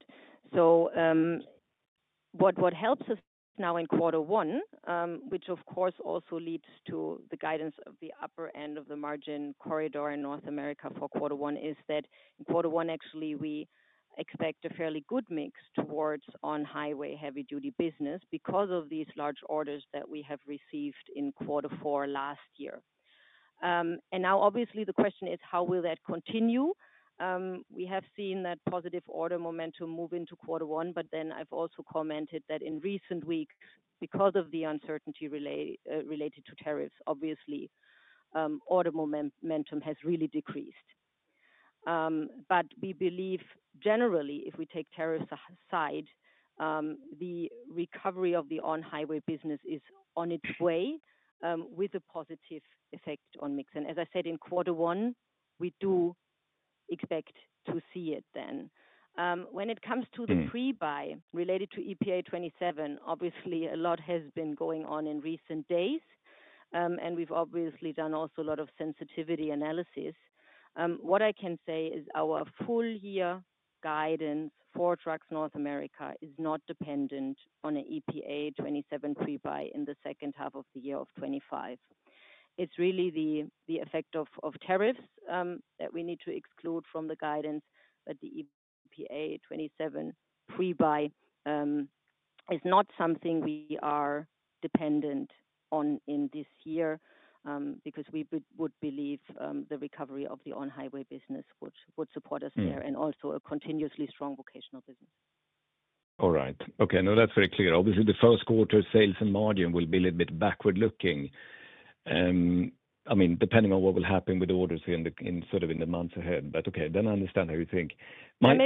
What helps us now in quarter one, which of course also leads to the guidance of the upper end of the margin corridor in North America for quarter one, is that in quarter one, actually, we expect a fairly good mix towards on-highway heavy-duty business because of these large orders that we have received in quarter four last year. Now, obviously, the question is, how will that continue? We have seen that positive order momentum move into quarter one, but I have also commented that in recent weeks, because of the uncertainty related to tariffs, obviously, order momentum has really decreased. We believe generally, if we take tariffs aside, the recovery of the on-highway business is on its way with a positive effect on mix. As I said, in quarter one, we do expect to see it then. When it comes to the pre-buy related to EPA 27, obviously, a lot has been going on in recent days, and we've obviously done also a lot of sensitivity analysis. What I can say is our full year guidance for Trucks North America is not dependent on an EPA 27 pre-buy in the second half of the year 2025. It's really the effect of tariffs that we need to exclude from the guidance, but the EPA 27 pre-buy is not something we are dependent on in this year because we would believe the recovery of the on-highway business would support us there and also a continuously strong vocational business. All right. Okay. No, that's very clear. Obviously, the first quarter sales and margin will be a little bit backward-looking, I mean, depending on what will happen with orders sort of in the months ahead. Okay, then I understand how you think. My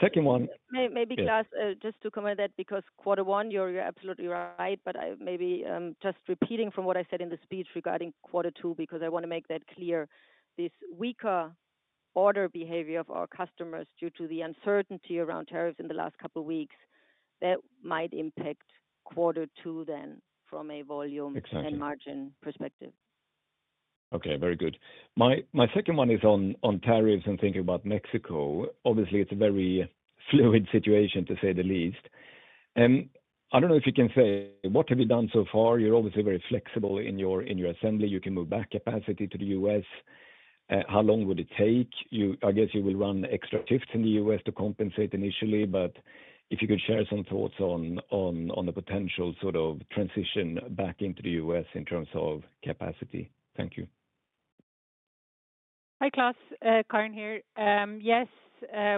second one. Maybe, Klaas, just to comment on that, because quarter one, you're absolutely right, but maybe just repeating from what I said in the speech regarding quarter two because I want to make that clear, this weaker order behavior of our customers due to the uncertainty around tariffs in the last couple of weeks, that might impact quarter two then from a volume and margin perspective. Excellent. Okay, very good. My second one is on tariffs and thinking about Mexico. Obviously, it's a very fluid situation to say the least. I don't know if you can say, what have you done so far? You're obviously very flexible in your assembly. You can move back capacity to the U.S. How long would it take? I guess you will run extra shifts in the U.S. to compensate initially, but if you could share some thoughts on the potential sort of transition back into the U.S. in terms of capacity. Thank you. Hi, Klas. Karin here. Yes,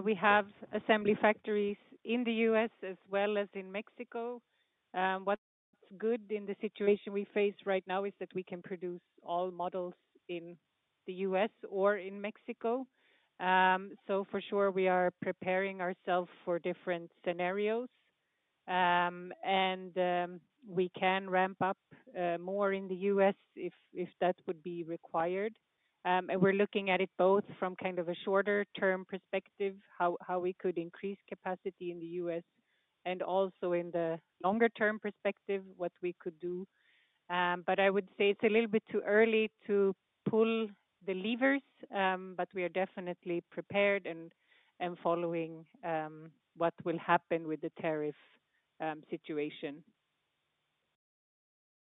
we have assembly factories in the U.S. as well as in Mexico. What's good in the situation we face right now is that we can produce all models in the U.S. or in Mexico. For sure, we are preparing ourselves for different scenarios, and we can ramp up more in the U.S. if that would be required. We are looking at it both from kind of a shorter-term perspective, how we could increase capacity in the U.S., and also in the longer-term perspective, what we could do. I would say it's a little bit too early to pull the levers, but we are definitely prepared and following what will happen with the tariff situation.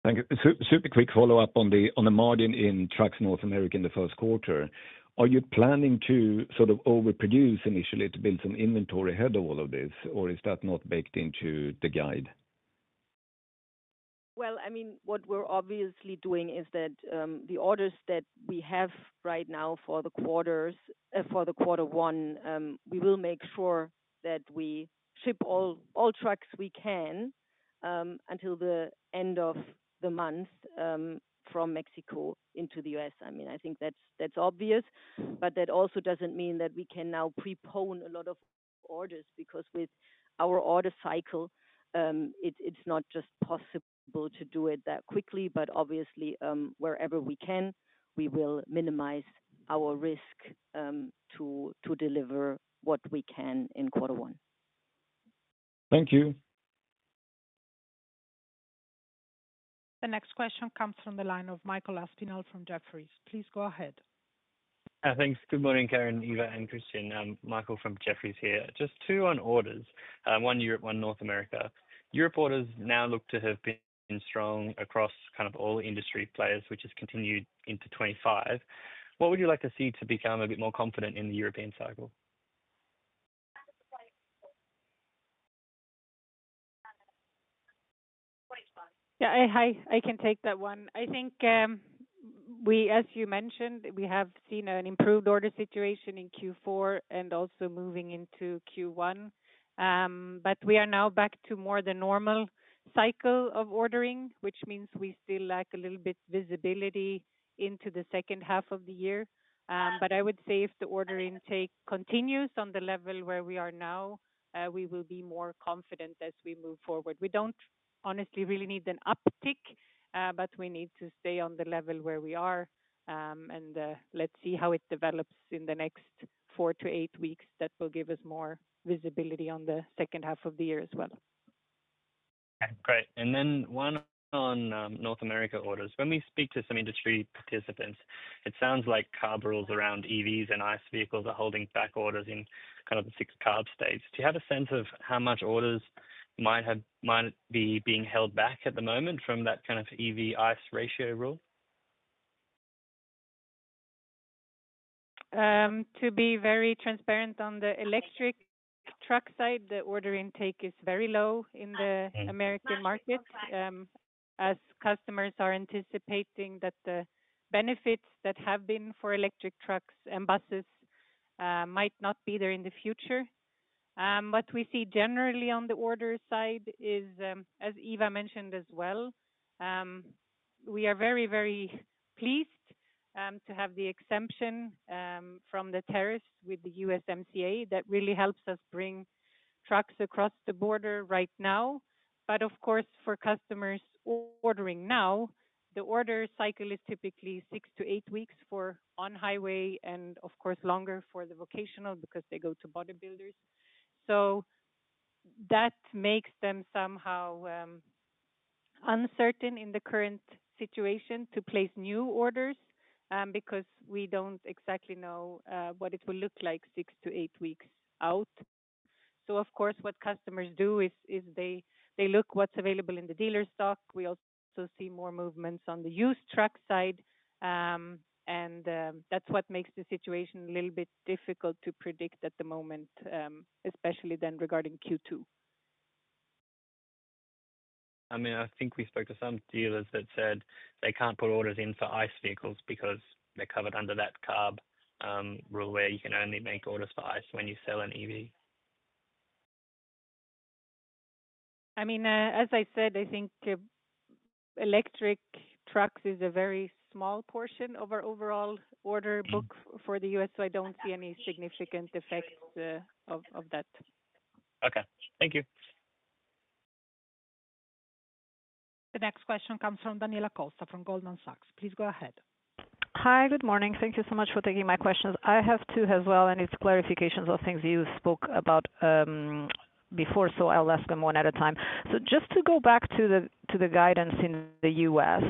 Thank you. Super quick follow-up on the margin in Trucks North America in the first quarter. Are you planning to sort of overproduce initially to build some inventory ahead of all of this, or is that not baked into the guide? I mean, what we're obviously doing is that the orders that we have right now for the quarter one, we will make sure that we ship all trucks we can until the end of the month from Mexico into the U.S., I mean, I think that's obvious, but that also doesn't mean that we can now prepone a lot of orders because with our order cycle, it's not just possible to do it that quickly, but obviously, wherever we can, we will minimize our risk to deliver what we can in quarter one. Thank you. The next question comes from the line of Michael Aspinal from Jefferies. Please go ahead. Thanks. Good morning, Karin, Eva, and Christian. Michael from Jefferies here. Just two on orders, one Europe, one North America. Europe orders now look to have been strong across kind of all industry players, which has continued into 2025. What would you like to see to become a bit more confident in the European cycle? Yeah. Hi, I can take that one. I think, as you mentioned, we have seen an improved order situation in Q4 and also moving into Q1, but we are now back to more the normal cycle of ordering, which means we still lack a little bit of visibility into the second half of the year. I would say if the order intake continues on the level where we are now, we will be more confident as we move forward. We do not honestly really need an uptick, but we need to stay on the level where we are, and let's see how it develops in the next four to eight weeks. That will give us more visibility on the second half of the year as well. Okay. Great. And then one on North America orders. When we speak to some industry participants, it sounds like car rules around EVs and ICE vehicles are holding back orders in kind of the six carb states. Do you have a sense of how much orders might be being held back at the moment from that kind of EV-ICE ratio rule? To be very transparent on the electric truck side, the order intake is very low in the American market, as customers are anticipating that the benefits that have been for electric trucks and buses might not be there in the future. What we see generally on the order side is, as Eva mentioned as well, we are very, very pleased to have the exemption from the tariffs with the USMCA that really helps us bring trucks across the border right now. Of course, for customers ordering now, the order cycle is typically six to eight weeks for on-highway and, of course, longer for the vocational because they go to bodybuilders. That makes them somehow uncertain in the current situation to place new orders because we do not exactly know what it will look like six to eight weeks out. Of course, what customers do is they look at what is available in the dealer stock. We also see more movements on the used truck side, and that is what makes the situation a little bit difficult to predict at the moment, especially then regarding Q2. I mean, I think we spoke to some dealers that said they cannot put orders in for ICE vehicles because they are covered under that CARB rule where you can only make orders for ICE when you sell an EV. I mean, as I said, I think electric trucks is a very small portion of our overall order book for the U.S., so I do not see any significant effects of that. Okay. Thank you. The next question comes from Daniela Costa from Goldman Sachs. Please go ahead. Hi, good morning. Thank you so much for taking my questions. I have two as well, and it is clarifications of things you spoke about before, so I will ask them one at a time. Just to go back to the guidance in the U.S.,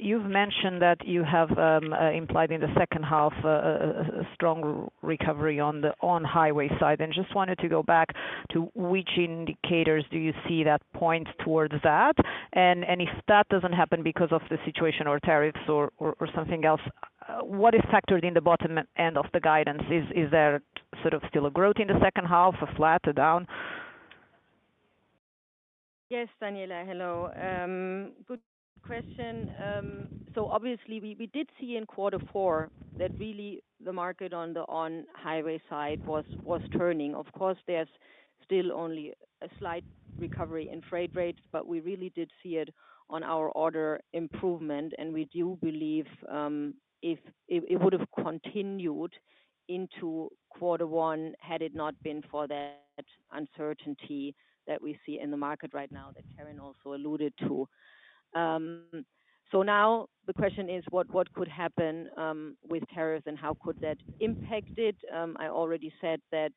you have mentioned that you have implied in the second half a strong recovery on the on-highway side. I just wanted to go back to which indicators do you see that points towards that? If that does not happen because of the situation or tariffs or something else, what is factored in the bottom end of the guidance? Is there sort of still a growth in the second half, a flat, a down? Yes, Daniela. Hello. Good question. Obviously, we did see in quarter four that really the market on the on-highway side was turning. Of course, there's still only a slight recovery in freight rates, but we really did see it on our order improvement, and we do believe it would have continued into quarter one had it not been for that uncertainty that we see in the market right now that Karin also alluded to. The question is, what could happen with tariffs and how could that impact it? I already said that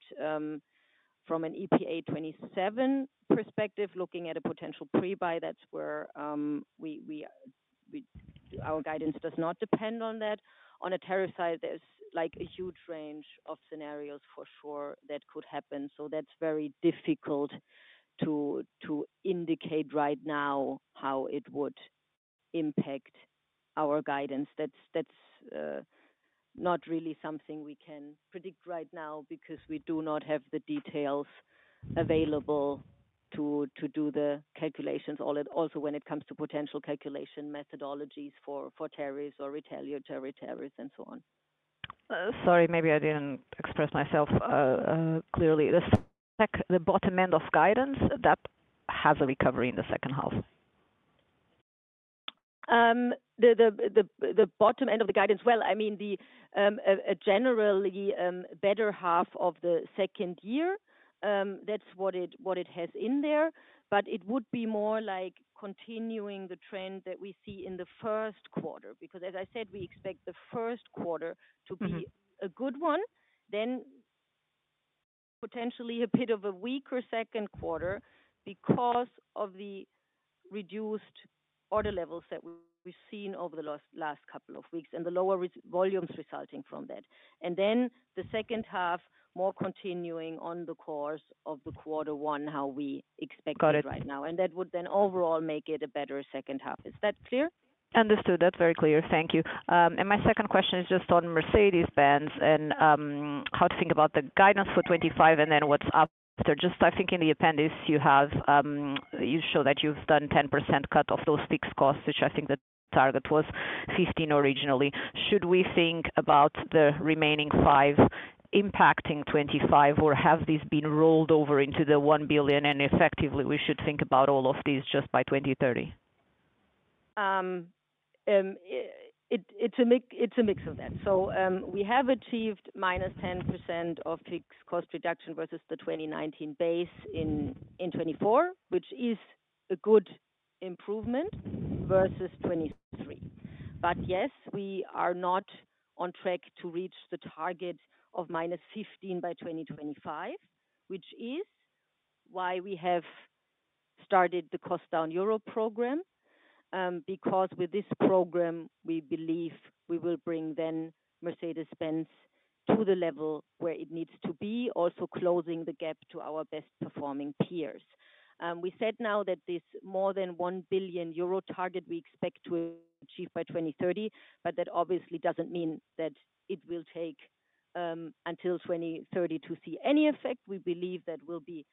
from an EPA 27 perspective, looking at a potential pre-buy, that's where our guidance does not depend on that. On a tariff side, there's a huge range of scenarios for sure that could happen. That's very difficult to indicate right now how it would impact our guidance. That's not really something we can predict right now because we do not have the details available to do the calculations, also when it comes to potential calculation methodologies for tariffs or retaliatory tariffs and so on. Sorry, maybe I didn't express myself clearly. The bottom end of guidance that has a recovery in the second half? The bottom end of the guidance, I mean, a generally better half of the second year, that's what it has in there. It would be more like continuing the trend that we see in the first quarter because, as I said, we expect the first quarter to be a good one, then potentially a bit of a weaker second quarter because of the reduced order levels that we've seen over the last couple of weeks and the lower volumes resulting from that. The second half, more continuing on the course of the quarter one, how we expect it right now. That would then overall make it a better second half. Is that clear? Understood. That's very clear. Thank you. My second question is just on Mercedes-Benz and how to think about the guidance for 2025 and then what's after. I think in the appendix, you show that you've done 10% cut of those fixed costs, which I think the target was 15% originally. Should we think about the remaining five impacting 25, or have these been rolled over into the 1 billion, and effectively, we should think about all of these just by 2030? It's a mix of that. We have achieved minus 10% of fixed cost reduction versus the 2019 base in 2024, which is a good improvement versus 2023. Yes, we are not on track to reach the target of minus 15% by 2025, which is why we have started the Cost Down Europe program, because with this program, we believe we will bring then Mercedes-Benz to the level where it needs to be, also closing the gap to our best-performing peers. We said now that this more than 1 billion euro target we expect to achieve by 2030, but that obviously does not mean that it will take until 2030 to see any effect. We believe that will be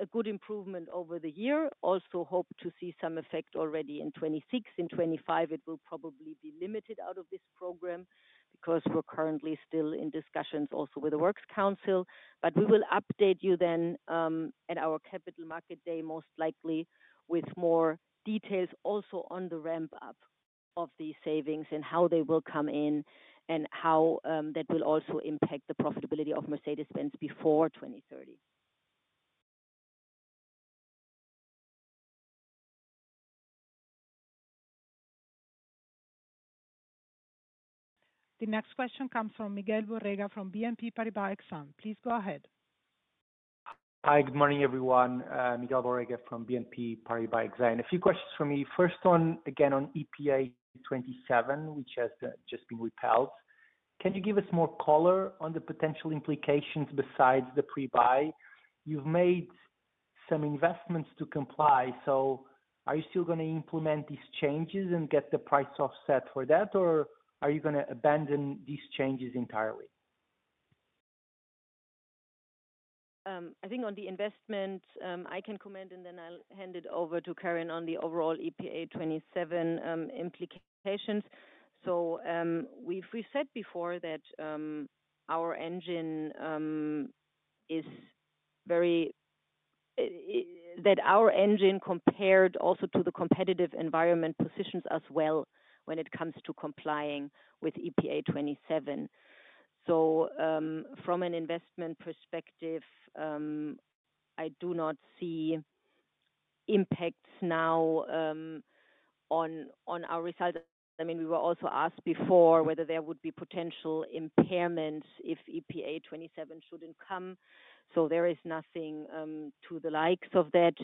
a good improvement over the year. Also hope to see some effect already in 2026. In 2025, it will probably be limited out of this program because we're currently still in discussions also with the Works Council. We will update you then at our Capital Market Day, most likely, with more details also on the ramp-up of these savings and how they will come in and how that will also impact the profitability of Mercedes-Benz Trucks before 2030. The next question comes from Miguel Nabeiro Ensinas Serra Borrega from BNP Paribas Exane. Please go ahead. Hi, good morning, everyone. Miguel Borrega from BNP Paribas Exane. A few questions for me. First one, again, on EPA 27, which has just been repealed. Can you give us more color on the potential implications besides the pre-buy? You've made some investments to comply, so are you still going to implement these changes and get the price offset for that, or are you going to abandon these changes entirely? I think on the investment, I can comment, and then I'll hand it over to Karin on the overall EPA 27 implications. We've said before that our engine, compared also to the competitive environment, positions us well when it comes to complying with EPA 27. From an investment perspective, I do not see impacts now on our results. I mean, we were also asked before whether there would be potential impairments if EPA 27 shouldn't come. There is nothing to the likes of that,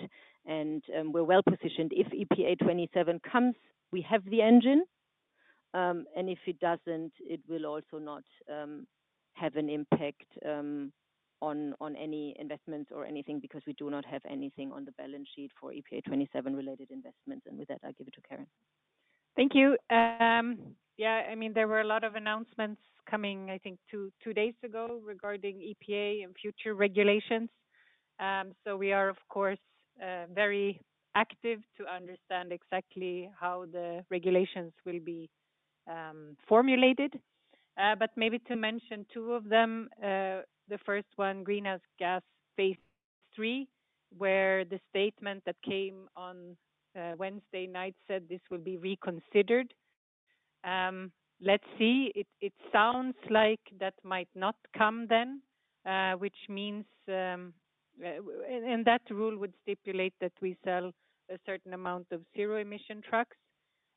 and we're well positioned. If EPA 27 comes, we have the engine, and if it does not, it will also not have an impact on any investments or anything because we do not have anything on the balance sheet for EPA 27-related investments. With that, I'll give it to Karin. Thank you. Yeah. I mean, there were a lot of announcements coming, I think, two days ago regarding EPA and future regulations. We are, of course, very active to understand exactly how the regulations will be formulated. Maybe to mention two of them. The first one, greenhouse gas phase three, where the statement that came on Wednesday night said this will be reconsidered. Let's see. It sounds like that might not come then, which means and that rule would stipulate that we sell a certain amount of zero-emission trucks.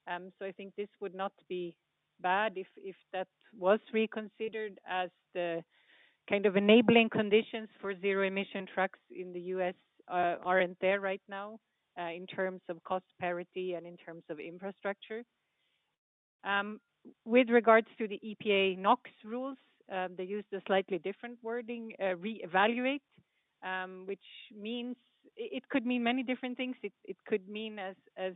I think this would not be bad if that was reconsidered as the kind of enabling conditions for zero-emission trucks in the U.S. are not there right now in terms of cost parity and in terms of infrastructure. With regards to the EPA NAAQS rules, they used a slightly different wording, reevaluate, which means it could mean many different things. It could mean, as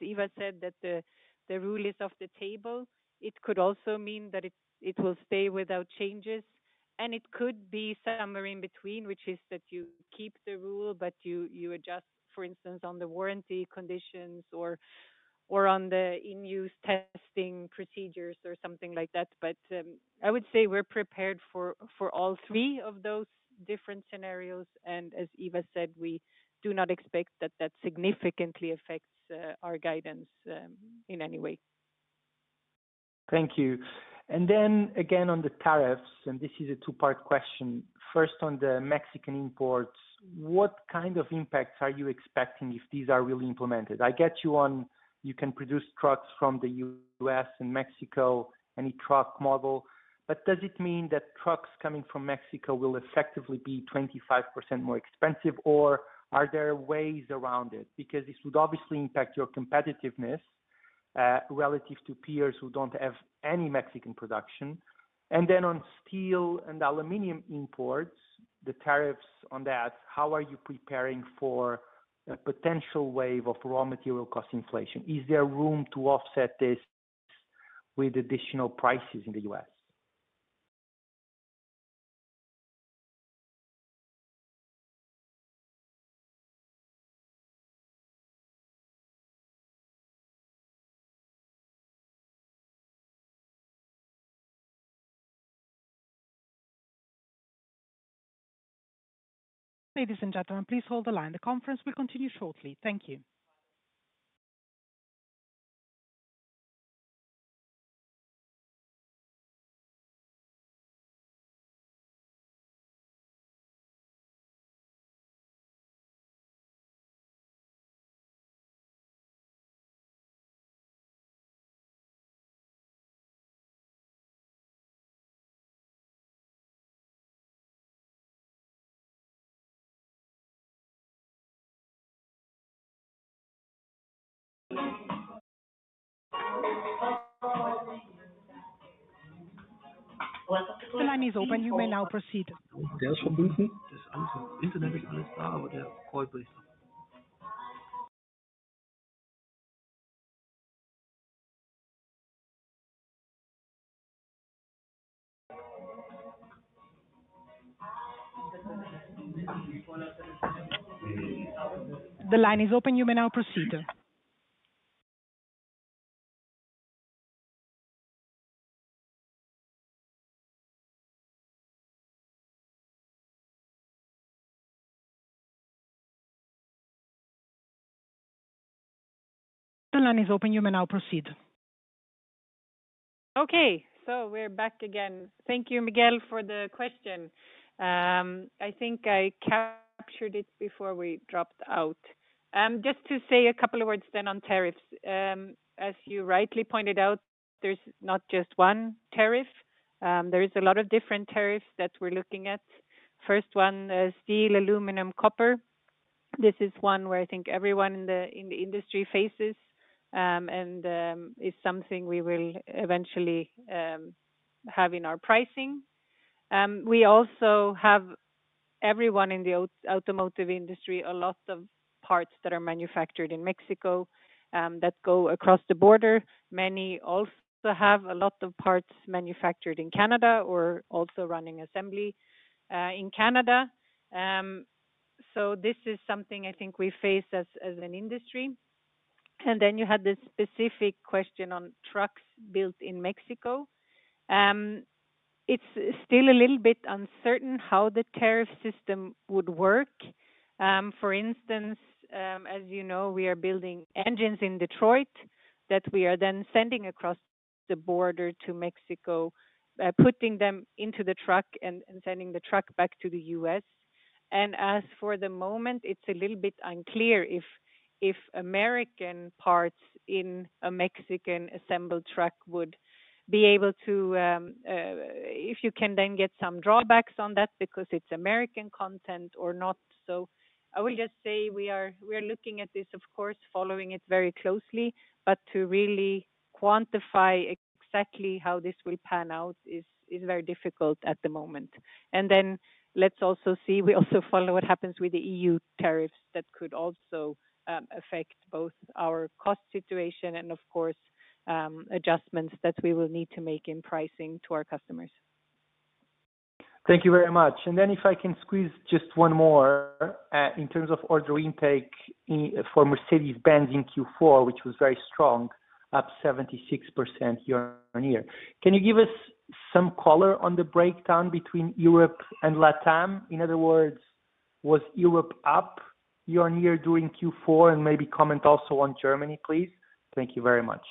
Eva said, that the rule is off the table. It could also mean that it will stay without changes, and it could be somewhere in between, which is that you keep the rule, but you adjust, for instance, on the warranty conditions or on the in-use testing procedures or something like that. I would say we are prepared for all three of those different scenarios. As Eva said, we do not expect that that significantly affects our guidance in any way. Thank you. Then again, on the tariffs, and this is a two-part question. First, on the Mexican imports, what kind of impacts are you expecting if these are really implemented? I get you on you can produce trucks from the U.S. and Mexico, any truck model. Does it mean that trucks coming from Mexico will effectively be 25% more expensive, or are there ways around it? This would obviously impact your competitiveness relative to peers who do not have any Mexican production. On steel and aluminum imports, the tariffs on that, how are you preparing for a potential wave of raw material cost inflation? Is there room to offset this with additional prices in the U.S.? Ladies and gentlemen, please hold the line. The conference will continue shortly. Thank you. The line is open. You may now proceed. The line is open. You may now proceed. The line is open. You may now proceed. Okay. We're back again. Thank you, Miguel, for the question. I think I captured it before we dropped out. Just to say a couple of words on tariffs. As you rightly pointed out, there's not just one tariff. There are a lot of different tariffs that we're looking at. First one, steel, aluminum, copper. This is one where I think everyone in the industry faces, and it's something we will eventually have in our pricing. We also have, everyone in the automotive industry, a lot of parts that are manufactured in Mexico that go across the border. Many also have a lot of parts manufactured in Canada or also running assembly in Canada. This is something I think we face as an industry. You had this specific question on trucks built in Mexico. It's still a little bit uncertain how the tariff system would work. For instance, as you know, we are building engines in Detroit that we are then sending across the border to Mexico, putting them into the truck and sending the truck back to the U.S. As for the moment, it's a little bit unclear if American parts in a Mexican assembled truck would be able to—if you can then get some drawbacks on that because it's American content or not. I will just say we are looking at this, of course, following it very closely, but to really quantify exactly how this will pan out is very difficult at the moment. Let's also see—we also follow what happens with the EU tariffs that could also affect both our cost situation and, of course, adjustments that we will need to make in pricing to our customers. Thank you very much. If I can squeeze just one more in terms of order intake for Mercedes-Benz in Q4, which was very strong, up 76% year-on-year. Can you give us some color on the breakdown between Europe and LATAM? In other words, was Europe up year on year during Q4? Maybe comment also on Germany, please. Thank you very much.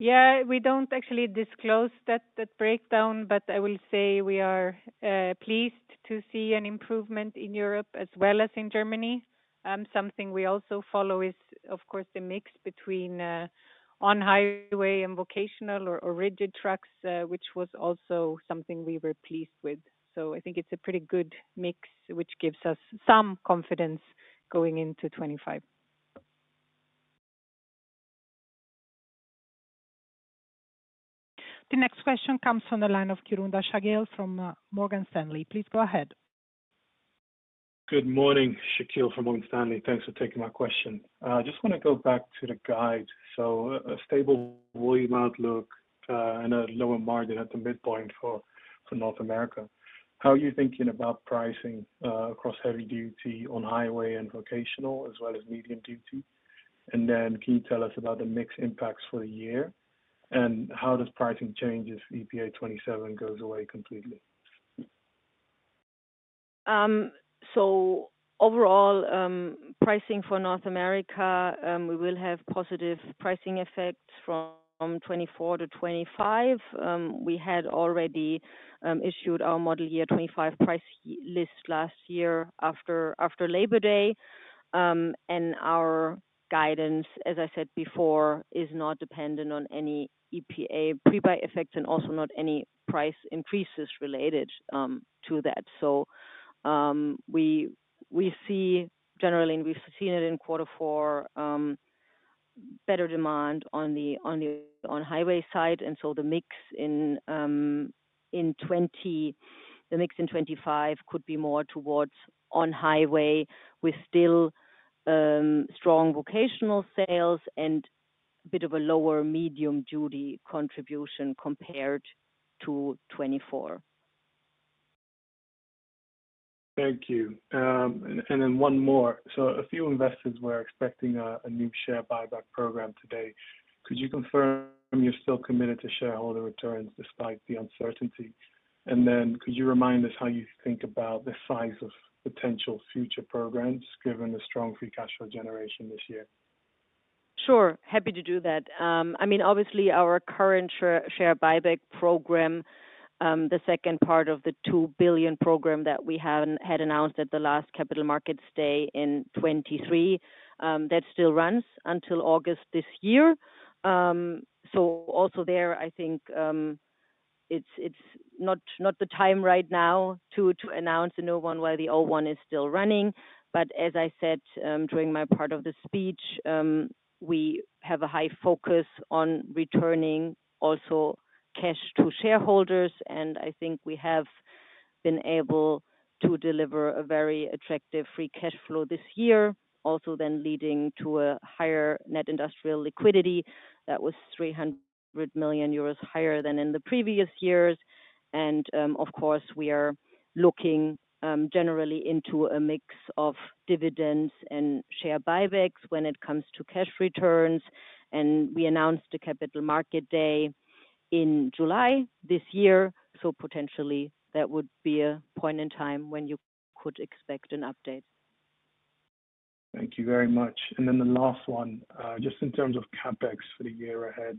Yeah, we do not actually disclose that breakdown, but I will say we are pleased to see an improvement in Europe as well as in Germany. Something we also follow is, of course, the mix between on-highway and vocational or rigid trucks, which was also something we were pleased with. I think it is a pretty good mix, which gives us some confidence going into 2025. The next question comes from the line of Shaqeal Kirunda from Morgan Stanley. Please go ahead. Good morning, Shaqeal from Morgan Stanley. Thanks for taking my question. I just want to go back to the guide. A stable volume outlook and a lower margin at the midpoint for North America. How are you thinking about pricing across heavy duty on-highway and vocational as well as medium duty? Can you tell us about the mixed impacts for the year? How does pricing change if EPA 27 goes away completely? Overall, pricing for North America, we will have positive pricing effects from 2024 to 2025. We had already issued our model year 2025 price list last year after Labor Day. Our guidance, as I said before, is not dependent on any EPA pre-buy effects and also not any price increases related to that. We see generally, and we've seen it in Q4, better demand on the highway side. The mix in 2025 could be more towards on-highway with still strong vocational sales and a bit of a lower medium duty contribution compared to 2024. Thank you. One more. A few investors were expecting a new share buyback program today. Could you confirm you're still committed to shareholder returns despite the uncertainty? Could you remind us how you think about the size of potential future programs given the strong free cash flow generation this year? Sure. Happy to do that. I mean, obviously, our current share buyback program, the second part of the 2 billion program that we had announced at the last Capital Market Day in 2023, still runs until August this year. Also there, I think it's not the time right now to announce a new one while the old one is still running. As I said during my part of the speech, we have a high focus on returning also cash to shareholders. I think we have been able to deliver a very attractive free cash flow this year, also then leading to a higher net industrial liquidity that was 300 million euros higher than in the previous years. Of course, we are looking generally into a mix of dividends and share buybacks when it comes to cash returns. We announced the capital market day in July this year. Potentially, that would be a point in time when you could expect an update. Thank you very much. The last one, just in terms of CapEx for the year ahead,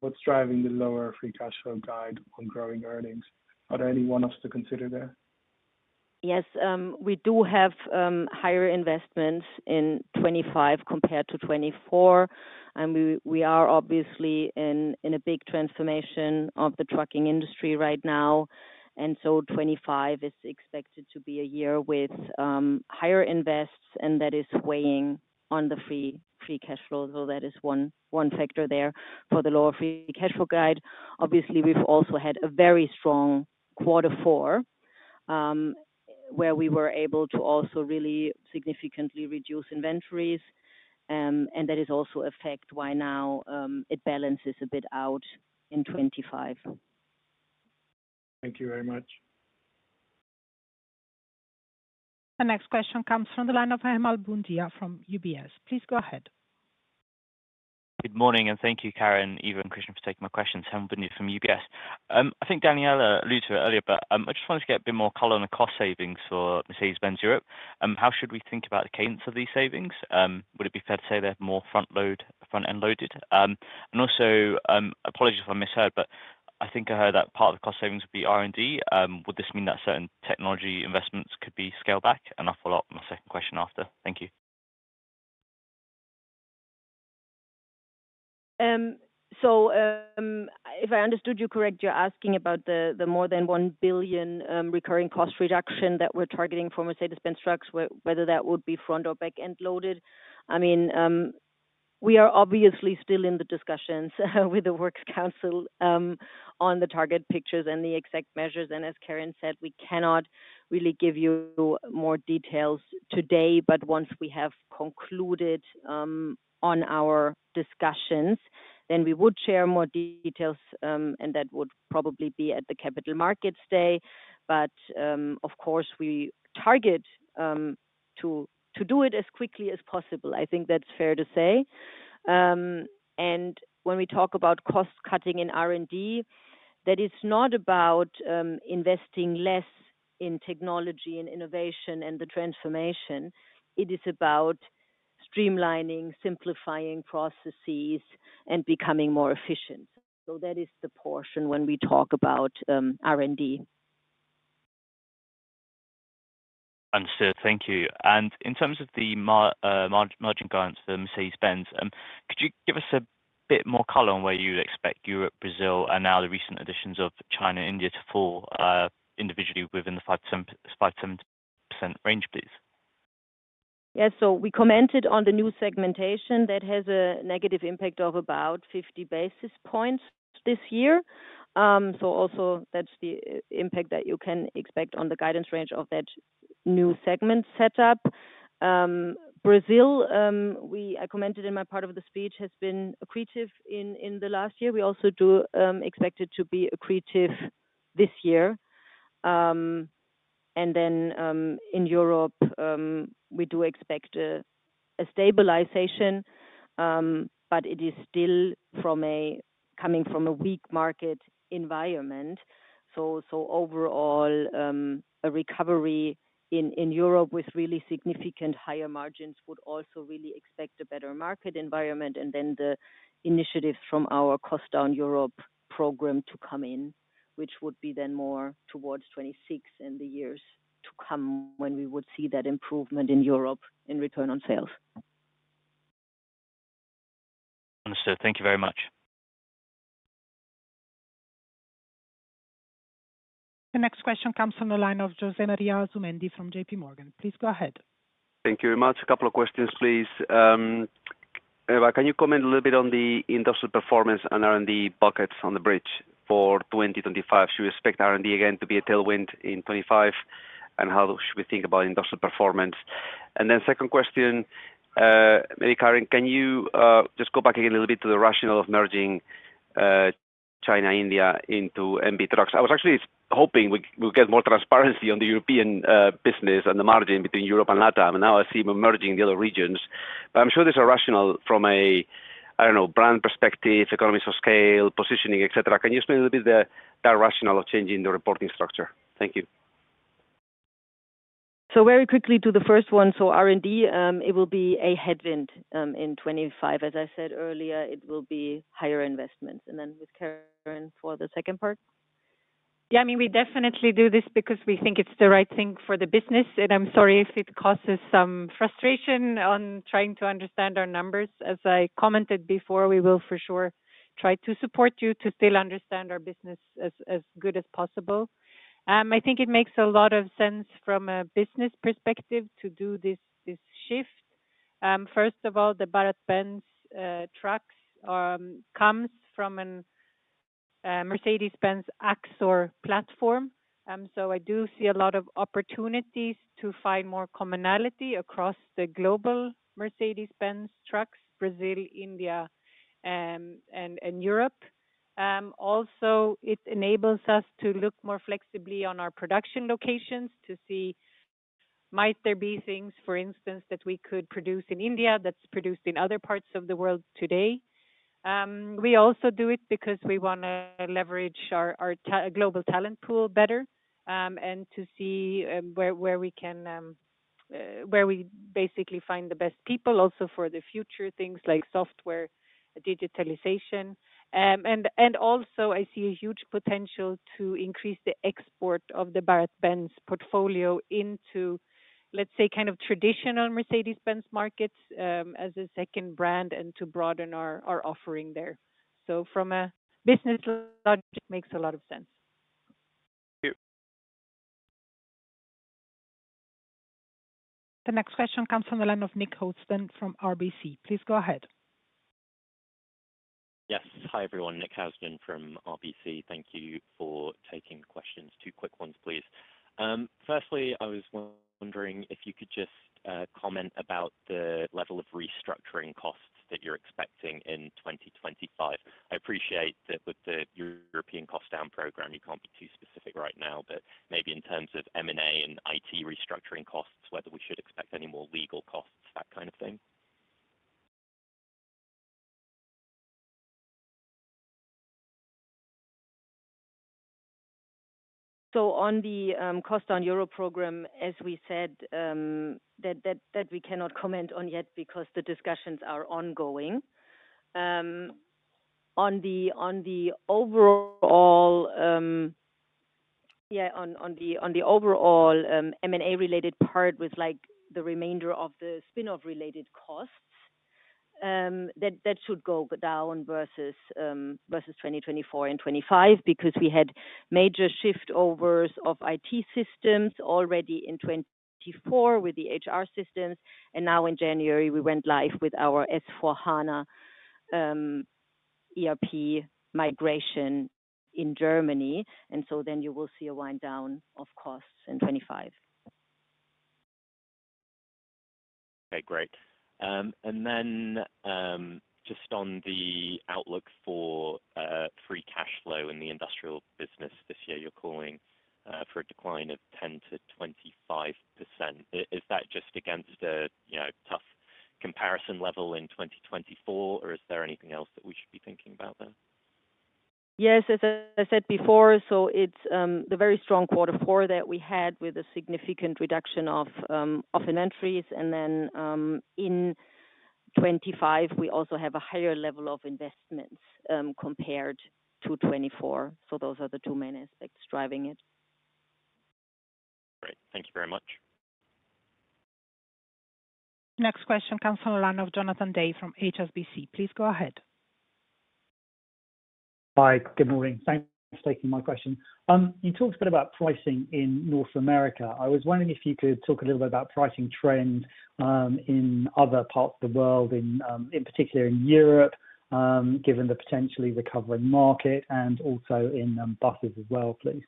what's driving the lower free cash flow guide on growing earnings? Are there any one offs to consider there? Yes. We do have higher investments in 2025 compared to 2024. We are obviously in a big transformation of the trucking industry right now. 2025 is expected to be a year with higher invests, and that is weighing on the free cash flow. That is one factor there for the lower free cash flow guide. Obviously, we have also had a very strong Q4, where we were able to also really significantly reduce inventories. That is also a fact why now it balances a bit out in 2025. Thank you very much. The next question comes from the line of Hemal Bundia from UBS. Please go ahead. Good morning. Thank you, Karin, Eva, and Christian for taking my questions. Hemal Bundia from UBS. I think Daniela alluded to it earlier, but I just wanted to get a bit more color on the cost savings for Mercedes-Benz Europe. How should we think about the cadence of these savings? Would it be fair to say they're more front-end loaded? Also, apologies if I misheard, but I think I heard that part of the cost savings would be R&D. Would this mean that certain technology investments could be scaled back? I'll follow up on my second question after. Thank you. If I understood you correct, you're asking about the more than 1 billion recurring cost reduction that we're targeting for Mercedes-Benz Trucks, whether that would be front or back-end loaded. I mean, we are obviously still in the discussions with the Works Council on the target pictures and the exact measures. As Karin said, we cannot really give you more details today, but once we have concluded on our discussions, we would share more details, and that would probably be at the Capital Market Day. Of course, we target to do it as quickly as possible. I think that's fair to say. When we talk about cost-cutting in R&D, that is not about investing less in technology and innovation and the transformation. It is about streamlining, simplifying processes, and becoming more efficient. That is the portion when we talk about R&D. Understood. Thank you. In terms of the margin guidance for Mercedes-Benz, could you give us a bit more color on where you expect Europe, Brazil, and now the recent additions of China and India to fall individually within the 5%-7% range, please? Yeah. We commented on the new segmentation that has a negative impact of about 50 basis points this year. That is also the impact that you can expect on the guidance range of that new segment setup. Brazil, I commented in my part of the speech, has been accretive in the last year. We also do expect it to be accretive this year. In Europe, we do expect a stabilization, but it is still coming from a weak market environment. Overall, a recovery in Europe with really significant higher margins would also really expect a better market environment and then the initiatives from our cost-down Europe program to come in, which would be more towards 2026 and the years to come when we would see that improvement in Europe in return on sales. Understood. Thank you very much. The next question comes from the line of José M. Asumendii from J.P. Morgan. Please go ahead. Thank you very much. A couple of questions, please. Can you comment a little bit on the industrial performance and R&D buckets on the bridge for 2025? Should we expect R&D again to be a tailwind in 2025? How should we think about industrial performance? Second question, maybe Karin, can you just go back again a little bit to the rationale of merging China-India into Mercedes-Benz Trucks? I was actually hoping we would get more transparency on the European business and the margin between Europe and Latin America. Now I see them merging the other regions. I am sure there is a rationale from a, I do not know, brand perspective, economies of scale, positioning, etc. Can you explain a little bit that rationale of changing the reporting structure? Thank you. Very quickly to the first one. R&D, it will be a headwind in 2025. As I said earlier, it will be higher investments. With Karin for the second part. Yeah. I mean, we definitely do this because we think it's the right thing for the business. I'm sorry if it causes some frustration on trying to understand our numbers. As I commented before, we will for sure try to support you to still understand our business as good as possible. I think it makes a lot of sense from a business perspective to do this shift. First of all, the BharatBenz trucks come from a Mercedes-Benz Axor platform. I do see a lot of opportunities to find more commonality across the global Mercedes-Benz Trucks, Brazil, India, and Europe. Also, it enables us to look more flexibly on our production locations to see might there be things, for instance, that we could produce in India that's produced in other parts of the world today. We also do it because we want to leverage our global talent pool better and to see where we can where we basically find the best people also for the future, things like software digitalization. I see a huge potential to increase the export of the BharatBenz portfolio into, let's say, kind of traditional Mercedes-Benz markets as a second brand and to broaden our offering there. From a business logic, it makes a lot of sense. Thank you. The next question comes from the line of Nick Hostin from RBC. Please go ahead. Yes. Hi. Nick Hostin from RBC. Thank you for taking the questions. Two quick ones, please. Firstly, I was wondering if you could just comment about the level of restructuring costs that you're expecting in 2025. I appreciate that with the European cost-down program, you can't be too specific right now, but maybe in terms of M&A and IT restructuring costs, whether we should expect any more legal costs, that kind of thing. On the cost-down Europe program, as we said, we cannot comment on yet because the discussions are ongoing. On the overall, yeah, on the overall M&A-related part with the remainder of the spin-off-related costs, that should go down versus 2024 and 2025 because we had major shiftovers of IT systems already in 2024 with the HR systems. Now in January, we went live with our S/4HANA ERP migration in Germany. You will see a wind down of costs in 2025. Okay. Great. Then just on the outlook for free cash flow in the industrial business this year, you're calling for a decline of 10%-25%. Is that just against a tough comparison level in 2024, or is there anything else that we should be thinking about there? Yes. As I said before, it's the very strong Q4 that we had with a significant reduction of inventories. In 2025, we also have a higher level of investments compared to 2024. Those are the two main aspects driving it. Great. Thank you very much. The next question comes from the line of Jonathan Day from HSBC. Please go ahead. Hi. Good morning. Thanks for taking my question. You talked a bit about pricing in North America. I was wondering if you could talk a little bit about pricing trends in other parts of the world, in particular in Europe, given the potentially recovering market, and also in buses as well, please.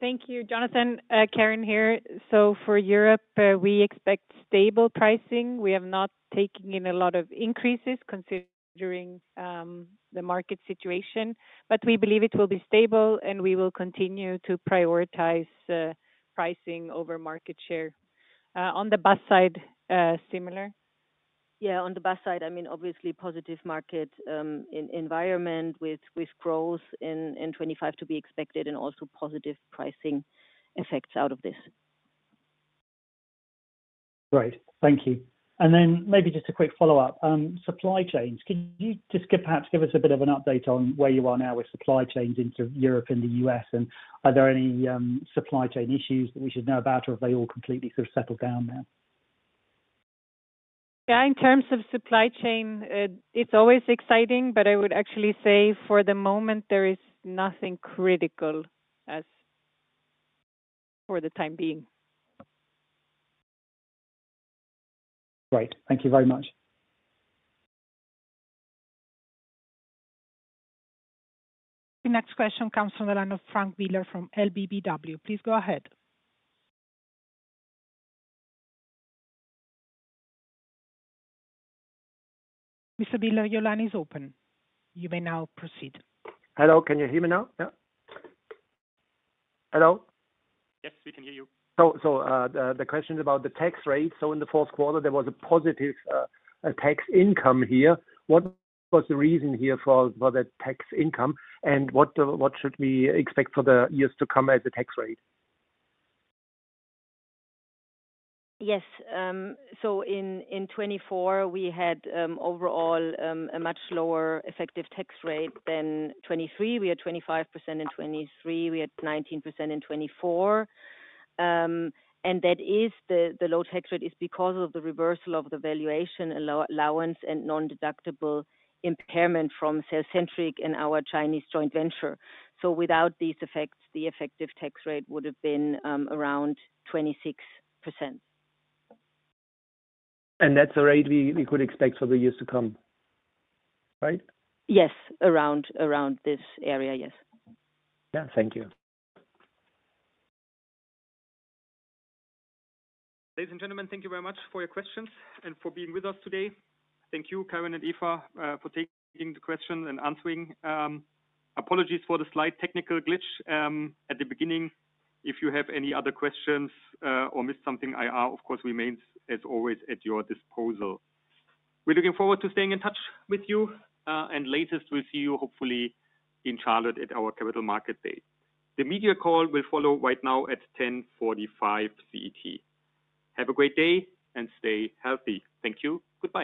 Thank you. Jonathan, Karin here. For Europe, we expect stable pricing. We have not taken in a lot of increases considering the market situation. We believe it will be stable, and we will continue to prioritize pricing over market share. On the bus side, similar. On the bus side, I mean, obviously positive market environment with growth in 2025 to be expected and also positive pricing effects out of this. Great. Thank you. Maybe just a quick follow-up. Supply chains, could you just perhaps give us a bit of an update on where you are now with supply chains in Europe and the U.S.? Are there any supply chain issues that we should know about, or have they all completely sort of settled down now? Yeah. In terms of supply chain, it's always exciting, but I would actually say for the moment, there is nothing critical for the time being. Great. Thank you very much. The next question comes from the line of Frank Bieler from LBBW. Please go ahead. Mr. Bieler, your line is open. You may now proceed. Hello. Can you hear me now? Yeah. Hello? Yes. We can hear you. The question is about the tax rate. In the fourth quarter, there was a positive tax income here. What was the reason here for the tax income? What should we expect for the years to come as a tax rate? Yes. In 2024, we had overall a much lower effective tax rate than 2023. We had 25% in 2023. We had 19% in 2024. That is, the low tax rate is because of the reversal of the valuation allowance and non-deductible impairment from CellCentric and our Chinese joint venture. Without these effects, the effective tax rate would have been around 26%. That is the rate we could expect for the years to come, right? Yes. Around this area, yes. Yeah. Thank you. Ladies and gentlemen, thank you very much for your questions and for being with us today. Thank you, Karin and Eva, for taking the questions and answering. Apologies for the slight technical glitch at the beginning. If you have any other questions or missed something, IR, of course, remains as always at your disposal. We are looking forward to staying in touch with you. Latest, we will see you hopefully in Charlotte at our Capital Markets Day. The media call will follow right now at 10:45 A.M. CET. Have a great day and stay healthy. Thank you. Goodbye.